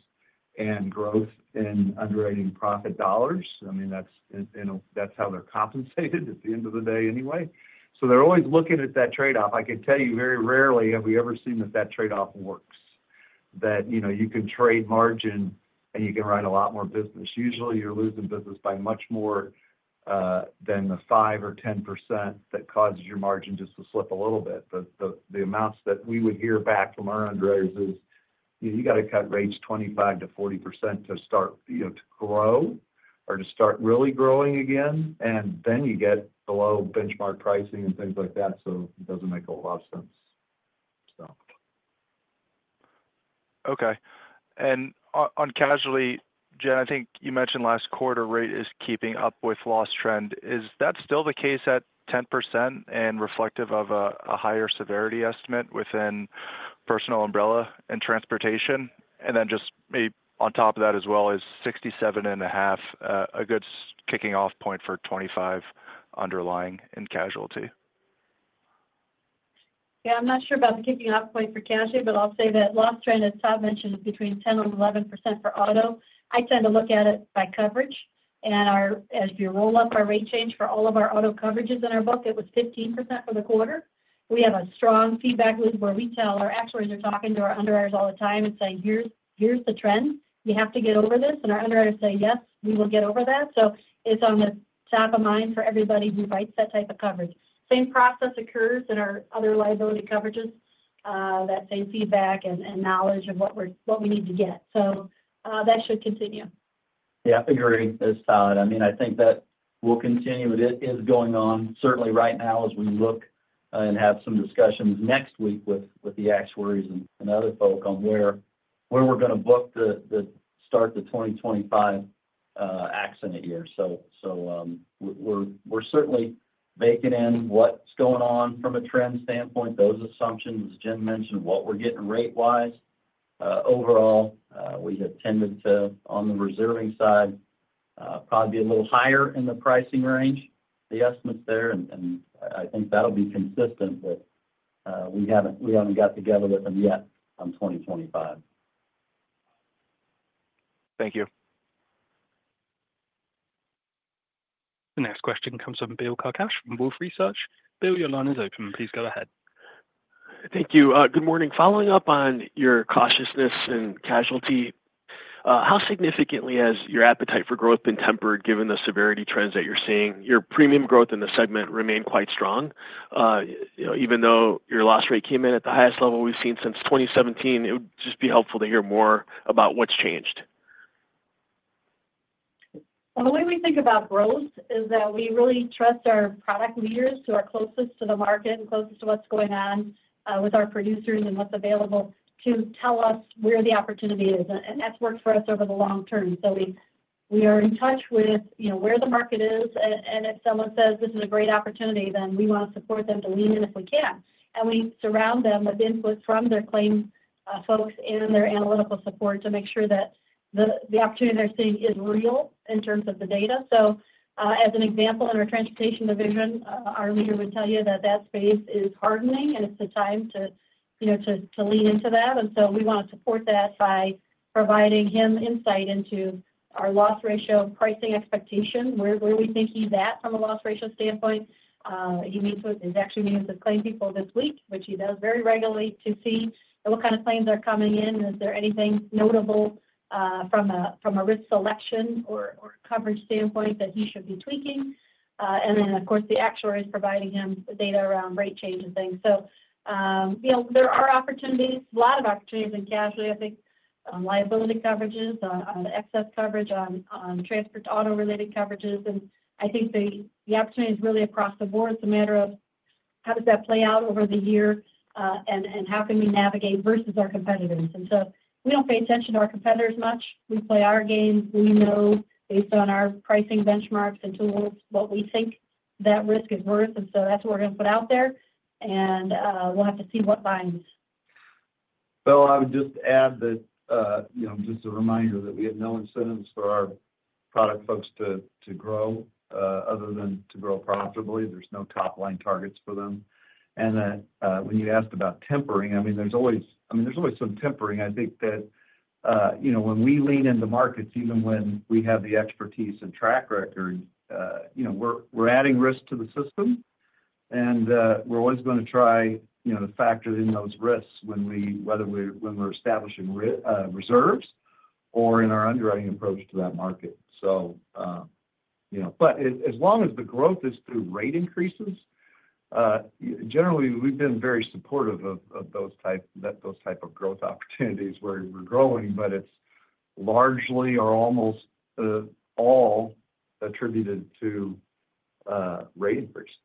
and growth in underwriting profit dollars. I mean, that's how they're compensated at the end of the day anyway. So they're always looking at that trade-off. I can tell you very rarely have we ever seen that that trade-off works, that you can trade margin and you can write a lot more business. Usually, you're losing business by much more than the 5% or 10% that causes your margin just to slip a little bit. The amounts that we would hear back from our underwriters is, "You got to cut rates 25%-40% to start to grow or to start really growing again, and then you get below benchmark pricing and things like that." So it doesn't make a whole lot of sense, so. Okay. And on casualty, Jen, I think you mentioned last quarter rate is keeping up with loss trend. Is that still the case at 10% and reflective of a higher severity estimate within personal umbrella and transportation? And then just maybe on top of that as well is 67.5 a good kicking-off point for 25 underlying in casualty? Yeah. I'm not sure about the kicking-off point for casualty, but I'll say that loss trend is top mentioned between 10%-11% for auto. I tend to look at it by coverage. And as we roll up our rate change for all of our auto coverages in our book, it was 15% for the quarter. We have a strong feedback loop where we tell our actuaries are talking to our underwriters all the time and saying, "Here's the trend. You have to get over this." And our underwriters say, "Yes, we will get over that." So it's on the top of mind for everybody who writes that type of coverage. Same process occurs in our other liability coverages, that same feedback and knowledge of what we need to get. So that should continue. Yeah. I think your rate is solid. I mean, I think that will continue. It is going on. Certainly, right now, as we look and have some discussions next week with the actuaries and other folk on where we're going to book the start of the 2025 accident year. So we're certainly baking in what's going on from a trend standpoint, those assumptions, as Jen mentioned, what we're getting rate-wise. Overall, we have tended to, on the reserving side, probably be a little higher in the pricing range, the estimates there. And I think that'll be consistent, but we haven't got together with them yet on 2025. Thank you. The next question comes from Bill Carcache from Wolfe Research. Bill, your line is open. Please go ahead. Thank you. Good morning. Following up on your cautiousness in casualty, how significantly has your appetite for growth been tempered given the severity trends that you're seeing? Your premium growth in the segment remained quite strong. Even though your loss rate came in at the highest level we've seen since 2017, it would just be helpful to hear more about what's changed. The way we think about growth is that we really trust our product leaders who are closest to the market and closest to what's going on with our producers and what's available to tell us where the opportunity is. That's worked for us over the long term. We are in touch with where the market is. If someone says, "This is a great opportunity," then we want to support them to lean in if we can. We surround them with input from their claim folks and their analytical support to make sure that the opportunity they're seeing is real in terms of the data. As an example, in our transportation division, our leader would tell you that that space is hardening, and it's the time to lean into that. And so we want to support that by providing him insight into our loss ratio pricing expectation, where we think he's at from a loss ratio standpoint. He meets with his actuaries and his claim people this week, which he does very regularly, to see what kind of claims are coming in. Is there anything notable from a risk selection or coverage standpoint that he should be tweaking? And then, of course, the actuary is providing him data around rate change and things. So there are opportunities, a lot of opportunities in casualty, I think, on liability coverages, on excess coverage, on transport auto-related coverages. And I think the opportunity is really across the board. It's a matter of how does that play out over the year and how can we navigate versus our competitors. And so we don't pay attention to our competitors much. We play our game. We know, based on our pricing benchmarks and tools, what we think that risk is worth. And so that's what we're going to put out there. And we'll have to see what binds. I would just add that just a reminder that we have no incentives for our product folks to grow other than to grow profitably. There's no top-line targets for them. And when you asked about tempering, I mean, there's always some tempering. I think that when we lean into markets, even when we have the expertise and track record, we're adding risk to the system. And we're always going to try to factor in those risks whether we're establishing reserves or in our underwriting approach to that market. But as long as the growth is through rate increases, generally, we've been very supportive of those type of growth opportunities where we're growing, but it's largely or almost all attributed to rate increases.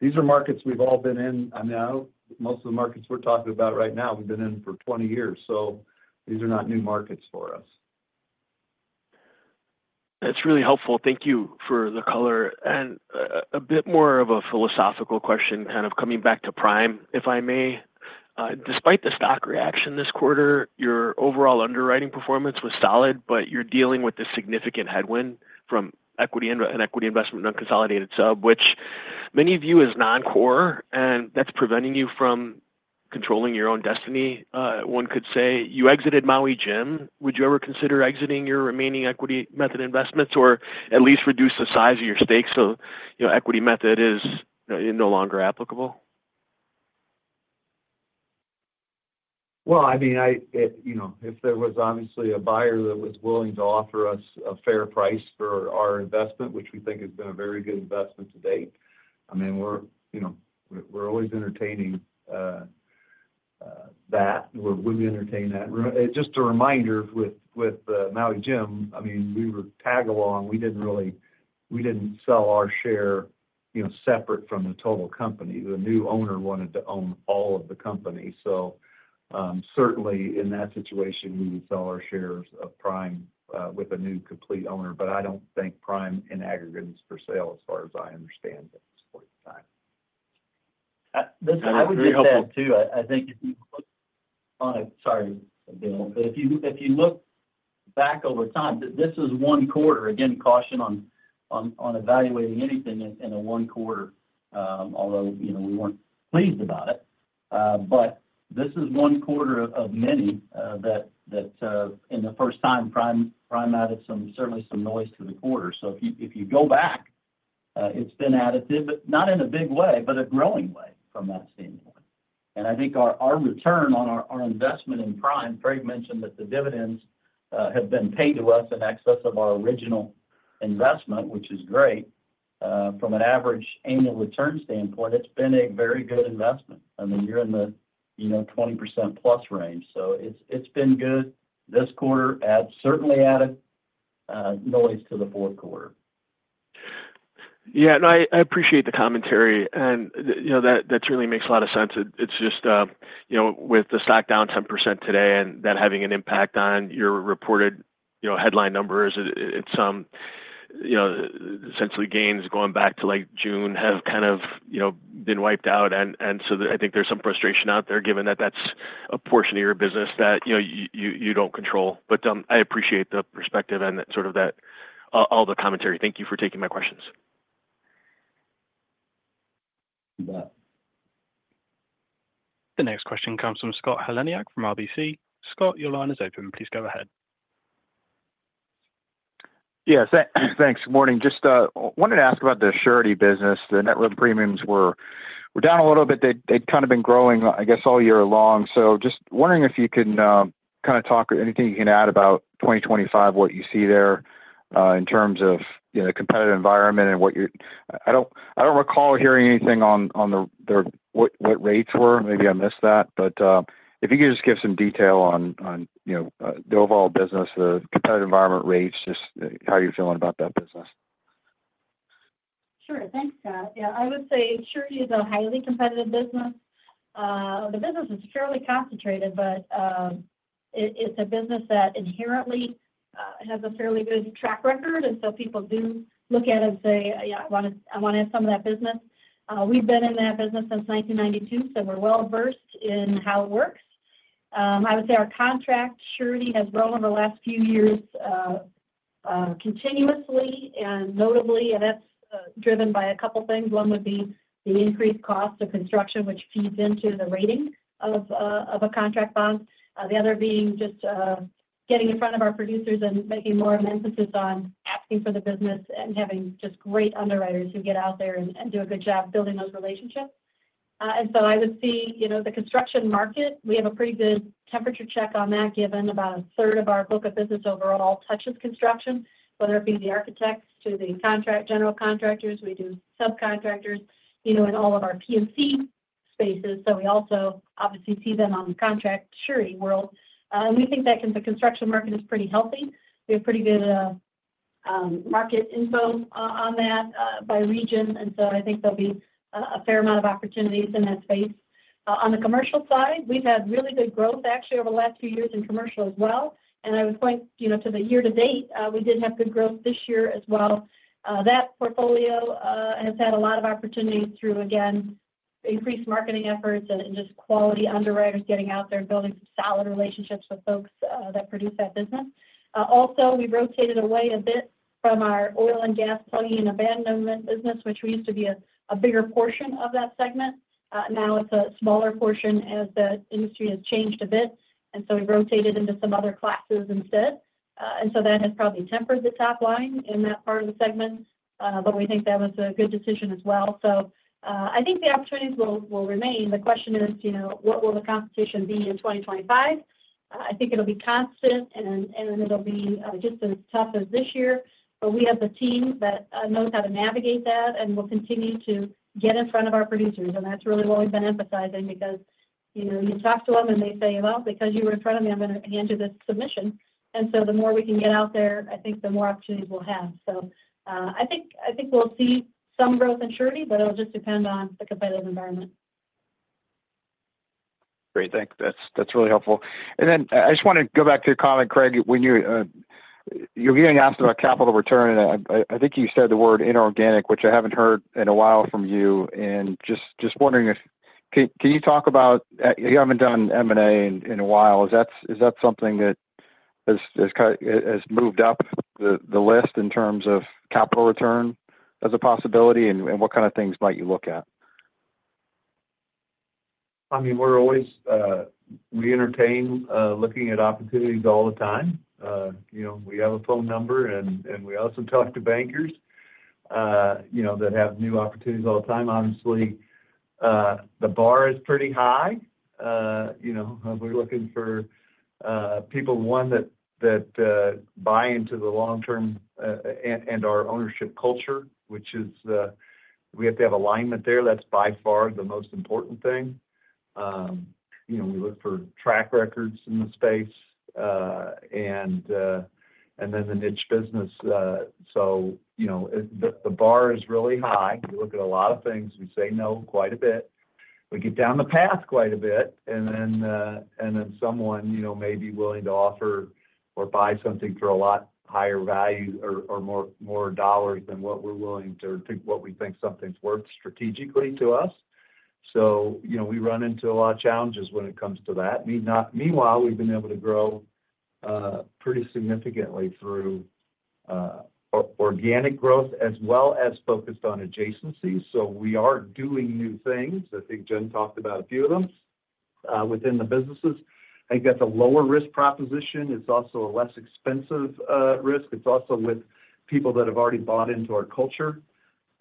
These are markets we've all been in. I mean, most of the markets we're talking about right now, we've been in for 20 years. These are not new markets for us. That's really helpful. Thank you for the color. And a bit more of a philosophical question, kind of coming back to Prime, if I may. Despite the stock reaction this quarter, your overall underwriting performance was solid, but you're dealing with a significant headwind from equity and equity investment non-consolidated sub, which many view as non-core. And that's preventing you from controlling your own destiny, one could say. You exited Maui Jim. Would you ever consider exiting your remaining equity method investments or at least reduce the size of your stake so equity method is no longer applicable? I mean, if there was obviously a buyer that was willing to offer us a fair price for our investment, which we think has been a very good investment to date, I mean, we're always entertaining that. We'll really entertain that. Just a reminder with Maui Jim, I mean, we were tag-along. We didn't sell our share separate from the total company. The new owner wanted to own all of the company. So certainly, in that situation, we would sell our shares of Prime with a new complete owner. But I don't think Prime in aggregate is for sale as far as I understand at this point in time. This would be helpful too. I think if you look on it, sorry, Bill, if you look back over time, this is one quarter. Again, caution on evaluating anything in a one quarter, although we weren't pleased about it. But this is one quarter of many that, for the first time, Prime added certainly some noise to the quarter. So if you go back, it's been additive, but not in a big way, but a growing way from that standpoint. And I think our return on our investment in Prime, Craig mentioned that the dividends have been paid to us in excess of our original investment, which is great. From an average annual return standpoint, it's been a very good investment. I mean, you're in the 20% plus range. So it's been good this quarter. It certainly added noise to the fourth quarter. Yeah. No, I appreciate the commentary. And that certainly makes a lot of sense. It's just with the stock down 10% today and that having an impact on your reported headline numbers, it's essentially gains going back to like June have kind of been wiped out. And so I think there's some frustration out there, given that that's a portion of your business that you don't control. But I appreciate the perspective and sort of all the commentary. Thank you for taking my questions. You bet. The next question comes from Scott Heleniak from RBC. Scott, your line is open. Please go ahead. Yes. Thanks. Good morning. Just wanted to ask about the surety business. The net written premiums were down a little bit. They'd kind of been growing, I guess, all year long. So just wondering if you can kind of talk or anything you can add about 2025, what you see there in terms of the competitive environment and what you're—I don't recall hearing anything on what rates were. Maybe I missed that. But if you could just give some detail on the overall business, the competitive environment rates, just how you're feeling about that business. Sure. Thanks, Scott. Yeah. I would say surety is a highly competitive business. The business is fairly concentrated, but it's a business that inherently has a fairly good track record. And so people do look at it and say, "Yeah, I want to have some of that business." We've been in that business since 1992, so we're well-versed in how it works. I would say our contract surety has grown over the last few years continuously and notably. And that's driven by a couple of things. One would be the increased cost of construction, which feeds into the rating of a contract bond. The other being just getting in front of our producers and making more of an emphasis on asking for the business and having just great underwriters who get out there and do a good job building those relationships. And so, I would see the construction market. We have a pretty good temperature check on that, given about a third of our book of business overall touches construction, whether it be the architects to the general contractors. We do subcontractors in all of our P&C spaces. So we also obviously see them on the contract surety world. And we think that the construction market is pretty healthy. We have pretty good market info on that by region. And so I think there'll be a fair amount of opportunities in that space. On the commercial side, we've had really good growth, actually, over the last few years in commercial as well. And I was going to the year to date, we did have good growth this year as well. That portfolio has had a lot of opportunities through, again, increased marketing efforts and just quality underwriters getting out there and building solid relationships with folks that produce that business. Also, we rotated away a bit from our oil and gas plugging and abandonment business, which we used to be a bigger portion of that segment. Now it's a smaller portion as the industry has changed a bit. And so we rotated into some other classes instead. And so that has probably tempered the top line in that part of the segment. But we think that was a good decision as well. So I think the opportunities will remain. The question is, what will the competition be in 2025? I think it'll be constant, and it'll be just as tough as this year. But we have the team that knows how to navigate that, and we'll continue to get in front of our producers. And that's really what we've been emphasizing because you talk to them, and they say, "Well, because you were in front of me, I'm going to hand you this submission." And so the more we can get out there, I think the more opportunities we'll have. So I think we'll see some growth in surety, but it'll just depend on the competitive environment. Great. Thanks. That's really helpful. And then I just want to go back to your comment, Craig. You're being asked about capital return. I think you said the word inorganic, which I haven't heard in a while from you. And just wondering if you can talk about you haven't done M&A in a while. Is that something that has moved up the list in terms of capital return as a possibility? And what kind of things might you look at? I mean, we entertain looking at opportunities all the time. We have a phone number, and we also talk to bankers that have new opportunities all the time. Obviously, the bar is pretty high. We're looking for people, one, that buy into the long-term and our ownership culture, which is we have to have alignment there. That's by far the most important thing. We look for track records in the space and then the niche business. So the bar is really high. We look at a lot of things. We say no quite a bit. We get down the path quite a bit. And then someone may be willing to offer or buy something for a lot higher value or more dollars than what we're willing to or what we think something's worth strategically to us. So we run into a lot of challenges when it comes to that. Meanwhile, we've been able to grow pretty significantly through organic growth as well as focused on adjacencies. So we are doing new things. I think Jen talked about a few of them within the businesses. I think that's a lower risk proposition. It's also a less expensive risk. It's also with people that have already bought into our culture.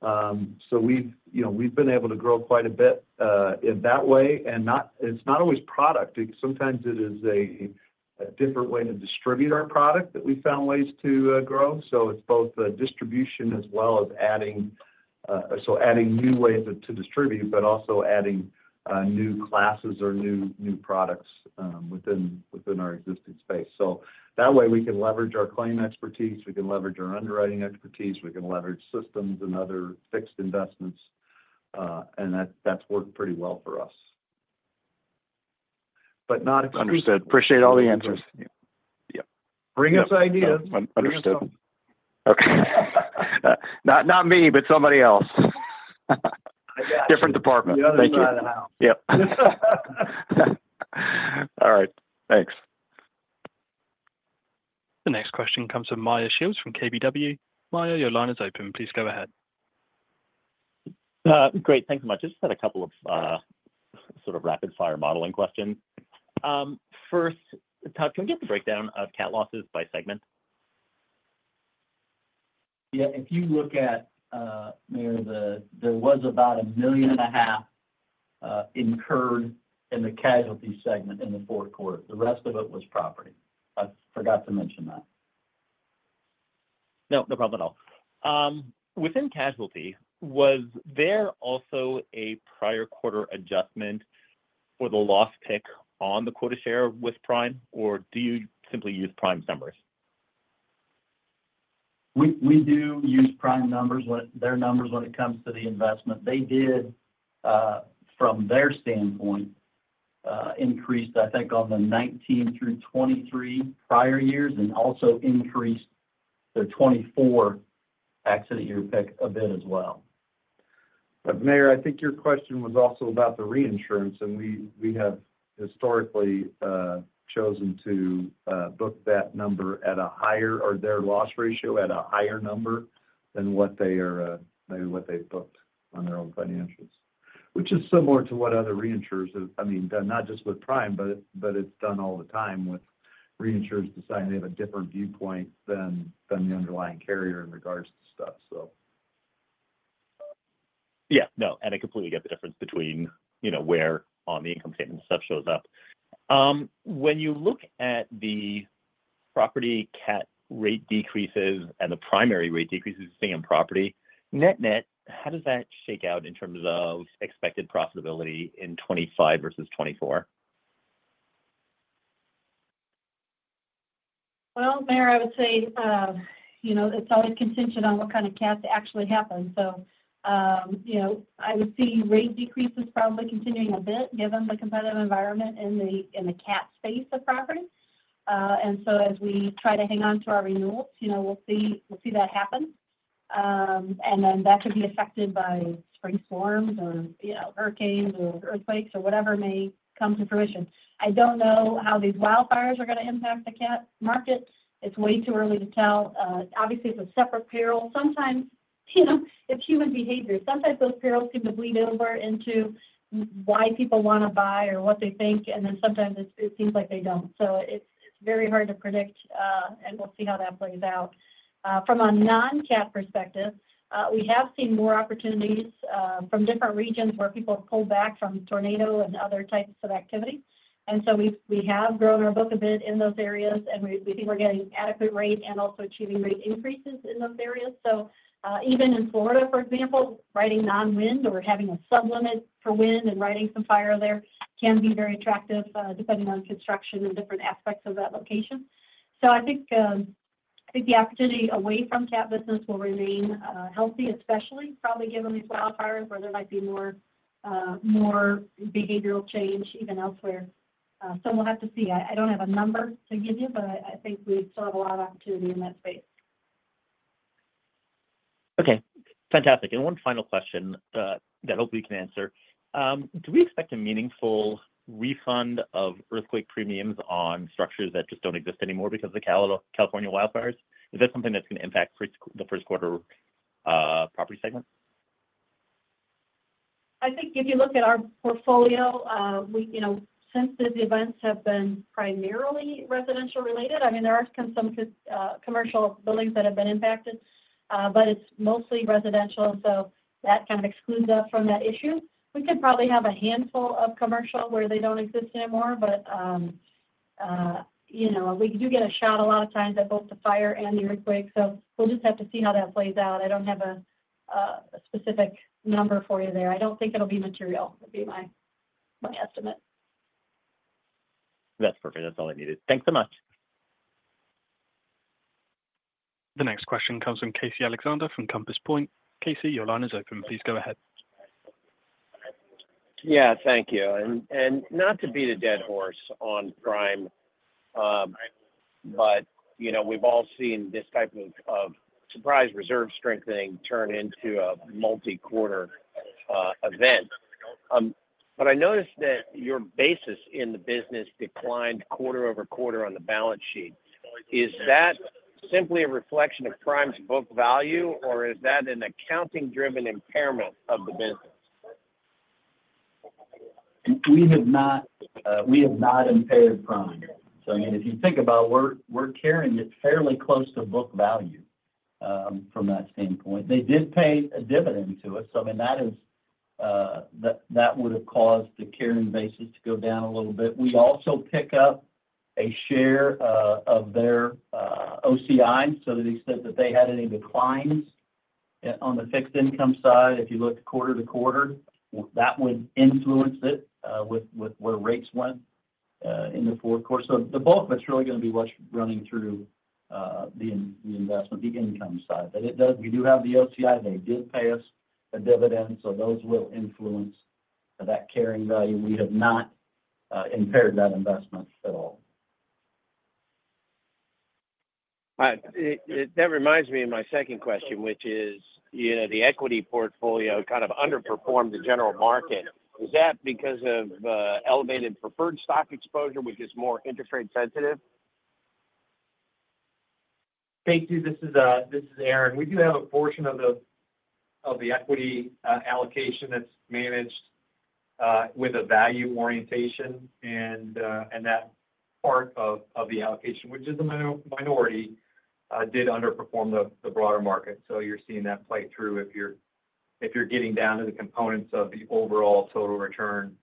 So we've been able to grow quite a bit in that way. And it's not always product. Sometimes it is a different way to distribute our product that we found ways to grow. So it's both distribution as well as adding new ways to distribute, but also adding new classes or new products within our existing space. So that way, we can leverage our claim expertise. We can leverage our underwriting expertise. We can leverage systems and other fixed investments. And that's worked pretty well for us. But not if you just. Understood. Appreciate all the answers. Yeah. Bring us ideas. Understood. Okay. Not me, but somebody else. Different department. The other guy in the house. Yep. All right. Thanks. The next question comes from Meyer Shields from KBW. Meyer, your line is open. Please go ahead. Great. Thanks so much. I just had a couple of sort of rapid-fire modeling questions. First, Todd, can we get the breakdown of cat losses by segment? Yeah. If you look at there, there was about $1.5 million incurred in the Casualty segment in the fourth quarter. The rest of it was Property. I forgot to mention that. No, no problem at all. Within casualty, was there also a prior quarter adjustment for the loss pick on the quota share with Prime, or do you simply use Prime's numbers? We do use Prime's numbers, their numbers when it comes to the investment. They did, from their standpoint, increase, I think, on the 2019 through 2023 prior years and also increased their 2024 accident year pick a bit as well. Meyer, I think your question was also about the reinsurance, and we have historically chosen to book that number at a higher or their loss ratio at a higher number than what they are maybe what they've booked on their own financials, which is similar to what other reinsurers have I mean, done not just with Prime, but it's done all the time with reinsurers deciding they have a different viewpoint than the underlying carrier in regards to stuff, so. Yeah. No, and I completely get the difference between where on the income statement stuff shows up. When you look at the property cat rate decreases and the primary rate decreases in property, net-net, how does that shake out in terms of expected profitability in 2025 versus 2024? Meyer, I would say it's always contingent on what kind of cat actually happens. I would see rate decreases probably continuing a bit, given the competitive environment in the cat space of property. As we try to hang on to our renewals, we'll see that happen. That could be affected by spring storms or hurricanes or earthquakes or whatever may come to fruition. I don't know how these wildfires are going to impact the cat market. It's way too early to tell. Obviously, it's a separate peril. Sometimes it's human behavior. Sometimes those perils seem to bleed over into why people want to buy or what they think. Sometimes it seems like they don't. It's very hard to predict, and we'll see how that plays out. From a non-cat perspective, we have seen more opportunities from different regions where people have pulled back from tornado and other types of activity. And so we have grown our book a bit in those areas, and we think we're getting adequate rate and also achieving rate increases in those areas. So even in Florida, for example, writing non-wind or having a sub-limit for wind and writing some fire there can be very attractive depending on construction and different aspects of that location. So I think the opportunity away from cat business will remain healthy, especially probably given these wildfires where there might be more behavioral change even elsewhere. So we'll have to see. I don't have a number to give you, but I think we still have a lot of opportunity in that space. Okay. Fantastic. And one final question that hopefully you can answer. Do we expect a meaningful refund of earthquake premiums on structures that just don't exist anymore because of the California wildfires? Is that something that's going to impact the first-quarter property segment? I think if you look at our portfolio, since these events have been primarily residential-related, I mean, there are some commercial buildings that have been impacted, but it's mostly residential. So that kind of excludes us from that issue. We could probably have a handful of commercial where they don't exist anymore. But we do get a shot a lot of times at both the fire and the earthquake. So we'll just have to see how that plays out. I don't have a specific number for you there. I don't think it'll be material. That'd be my estimate. That's perfect. That's all I needed. Thanks so much. The next question comes from Casey Alexander from Compass Point. Casey, your line is open. Please go ahead. Yeah. Thank you. And not to beat a dead horse on Prime, but we've all seen this type of surprise reserve strengthening turn into a multi-quarter event. But I noticed that your basis in the business declined quarter over quarter on the balance sheet. Is that simply a reflection of Prime's book value, or is that an accounting-driven impairment of the business? We have not impaired Prime. So I mean, if you think about it, we're carrying it fairly close to book value from that standpoint. They did pay a dividend to us. So I mean, that would have caused the carrying basis to go down a little bit. We also pick up a share of their OCI so that they said that they had any declines on the fixed income side. If you looked quarter to quarter, that would influence it with where rates went in the fourth quarter. So the bulk of it's really going to be what's running through the investment, the income side. But we do have the OCI. They did pay us a dividend. So those will influence that carrying value. We have not impaired that investment at all. That reminds me of my second question, which is the equity portfolio kind of underperformed the general market. Is that because of elevated preferred stock exposure, which is more interest rate sensitive? Casey, this is Aaron. We do have a portion of the equity allocation that's managed with a value orientation. And that part of the allocation, which is a minority, did underperform the broader market. So you're seeing that play through if you're getting down to the components of the overall total return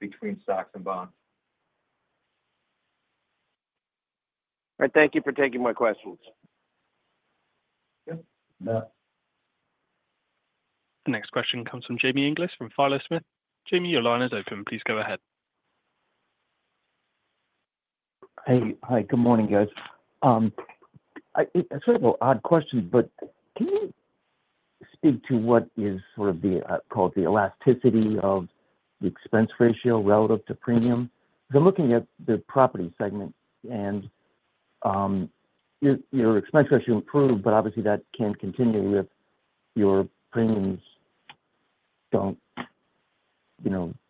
between stocks and bonds. All right. Thank you for taking my questions. Yeah. No. The next question comes from Jamie Inglis from Philo Smith. Jamie, your line is open. Please go ahead. Hi. Hi. Good morning, guys. It's sort of an odd question, but can you speak to what is sort of called the elasticity of the expense ratio relative to premiums? Because I'm looking at the property segment, and your expense ratio improved, but obviously, that can't continue if your premiums don't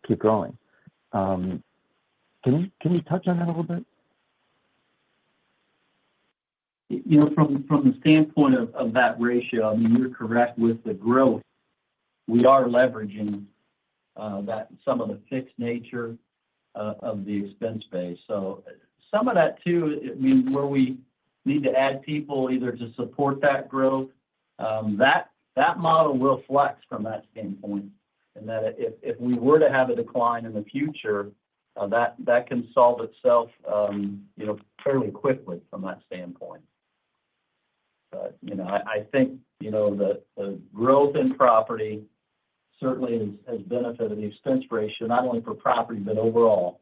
keep growing. Can you touch on that a little bit? From the standpoint of that ratio, I mean, you're correct with the growth. We are leveraging some of the fixed nature of the expense base. So some of that, too, I mean, where we need to add people either to support that growth, that model will flex from that standpoint, and that if we were to have a decline in the future, that can solve itself fairly quickly from that standpoint, but I think the growth in property certainly has benefited the expense ratio, not only for property, but overall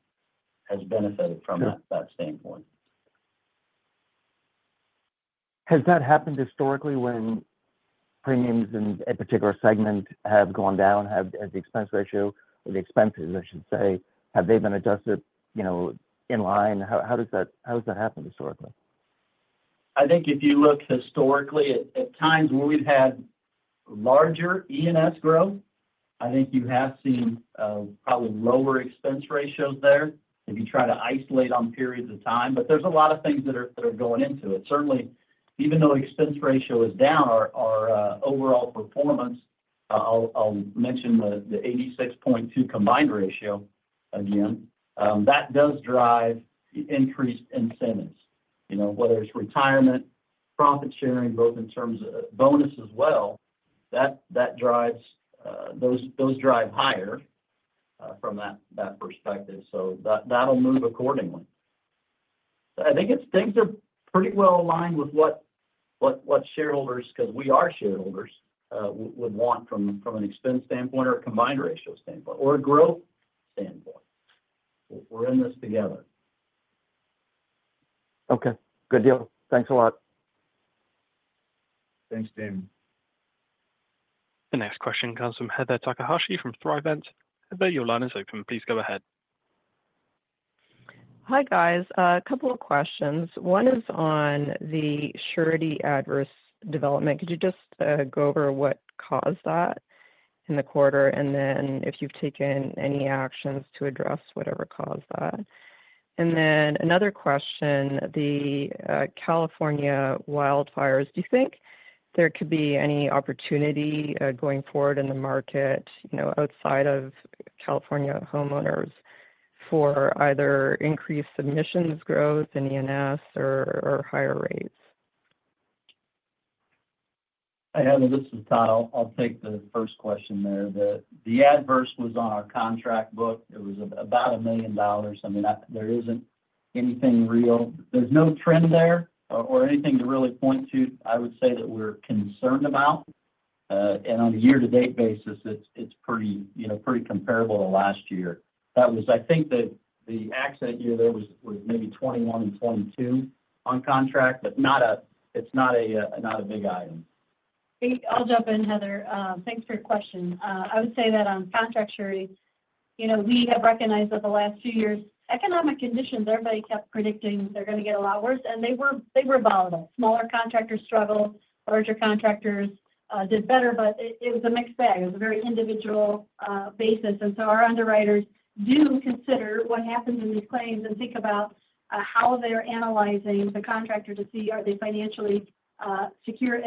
has benefited from that standpoint. Has that happened historically when premiums in a particular segment have gone down, as the expense ratio or the expenses, I should say, have they been adjusted in line? How has that happened historically? I think if you look historically, at times when we've had larger E&S growth, I think you have seen probably lower expense ratios there if you try to isolate on periods of time. But there's a lot of things that are going into it. Certainly, even though expense ratio is down, our overall performance, I'll mention the 86.2% combined ratio again, that does drive increased incentives, whether it's retirement, profit sharing, both in terms of bonus as well. Those drive higher from that perspective. So that'll move accordingly. So I think things are pretty well aligned with what shareholders, because we are shareholders, would want from an expense standpoint or a combined ratio standpoint or a growth standpoint. We're in this together. Okay. Good deal. Thanks a lot. Thanks, Jamie. The next question comes from Heather Takahashi from Thrivent. Heather, your line is open. Please go ahead. Hi, guys. A couple of questions. One is on the surety adverse development. Could you just go over what caused that in the quarter? And then if you've taken any actions to address whatever caused that? And then another question, the California wildfires. Do you think there could be any opportunity going forward in the market outside of California homeowners for either increased submissions growth in E&S or higher rates? Heather, this is Todd. I'll take the first question there. The adverse was on our contract book. It was about $1 million. I mean, there isn't anything real. There's no trend there or anything to really point to, I would say, that we're concerned about. And on a year-to-date basis, it's pretty comparable to last year. I think the accident year there was maybe 2021 and 2022 on contract, but it's not a big item. I'll jump in, Heather. Thanks for your question. I would say that on contract surety, we have recognized that the last few years, economic conditions, everybody kept predicting they're going to get a lot worse. And they were volatile. Smaller contractors struggled. Larger contractors did better, but it was a mixed bag. It was a very individual basis. And so our underwriters do consider what happens in these claims and think about how they're analyzing the contractor to see, are they financially secure?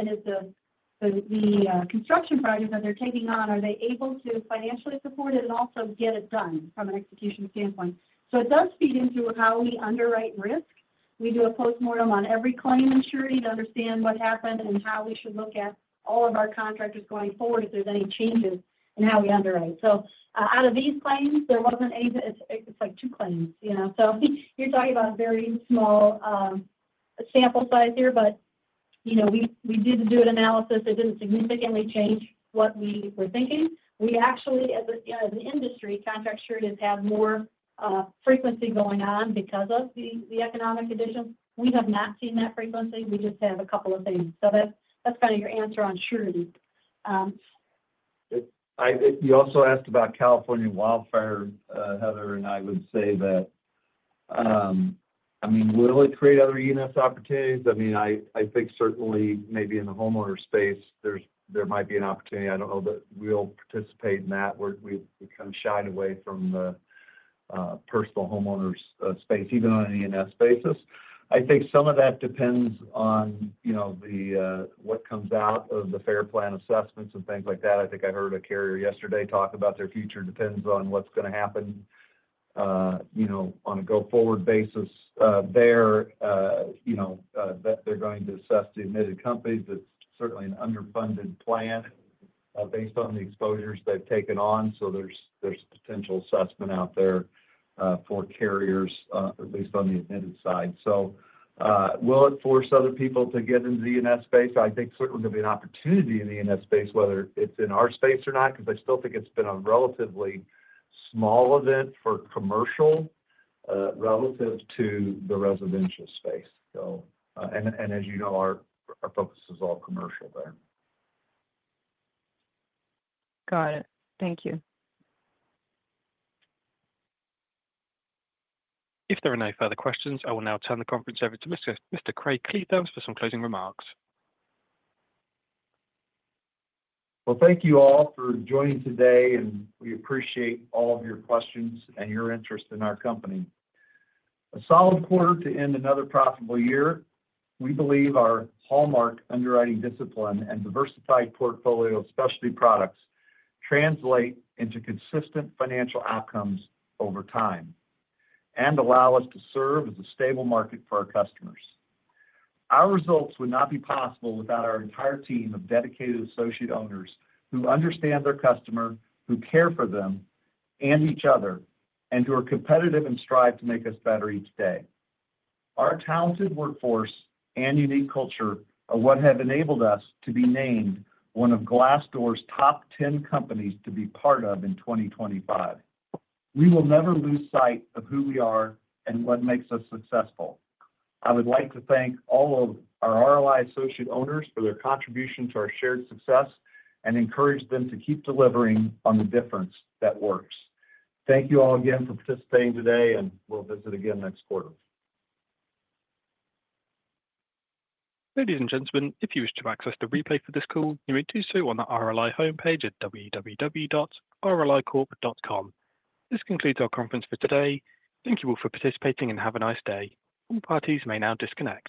And is the construction project that they're taking on, are they able to financially support it and also get it done from an execution standpoint? So it does feed into how we underwrite risk. We do a postmortem on every claim in surety to understand what happened and how we should look at all of our contractors going forward if there's any changes in how we underwrite. So out of these claims, there wasn't any, it's like two claims. So you're talking about a very small sample size here, but we did the detailed analysis. It didn't significantly change what we were thinking. We actually, as an industry, contract sureties have more frequency going on because of the economic conditions. We have not seen that frequency. We just have a couple of things. So that's kind of your answer on surety. You also asked about California wildfire. Heather and I would say that, I mean, will it create other E&S opportunities? I mean, I think certainly maybe in the homeowner space, there might be an opportunity. I don't know that we'll participate in that. We kind of shy away from the personal homeowner's space, even on an E&S basis. I think some of that depends on what comes out of the FAIR Plan assessments and things like that. I think I heard a carrier yesterday talk about their future. It depends on what's going to happen on a go-forward basis there. They're going to assess the admitted companies. It's certainly an underfunded plan based on the exposures they've taken on. So there's potential assessment out there for carriers, at least on the admitted side. So will it force other people to get into the E&S space? I think certainly there'll be an opportunity in the E&S space, whether it's in our space or not, because I still think it's been a relatively small event for commercial relative to the residential space. And as you know, our focus is all commercial there. Got it. Thank you. If there are no further questions, I will now turn the conference over to Mr. Craig Kliethermes for some closing remarks. Thank you all for joining today, and we appreciate all of your questions and your interest in our company. A solid quarter to end another profitable year, we believe our hallmark underwriting discipline and diversified portfolio of specialty products translate into consistent financial outcomes over time and allow us to serve as a stable market for our customers. Our results would not be possible without our entire team of dedicated associate owners who understand their customer, who care for them and each other, and who are competitive and strive to make us better each day. Our talented workforce and unique culture are what have enabled us to be named one of Glassdoor's top 10 companies to be part of in 2025. We will never lose sight of who we are and what makes us successful. I would like to thank all of our RLI associate owners for their contribution to our shared success and encourage them to keep delivering on the difference that works. Thank you all again for participating today, and we'll visit again next quarter. Ladies and gentlemen, if you wish to access the replay for this call, you may do so on the RLI homepage at www.rlicorp.com. This concludes our conference for today. Thank you all for participating and have a nice day. All parties may now disconnect.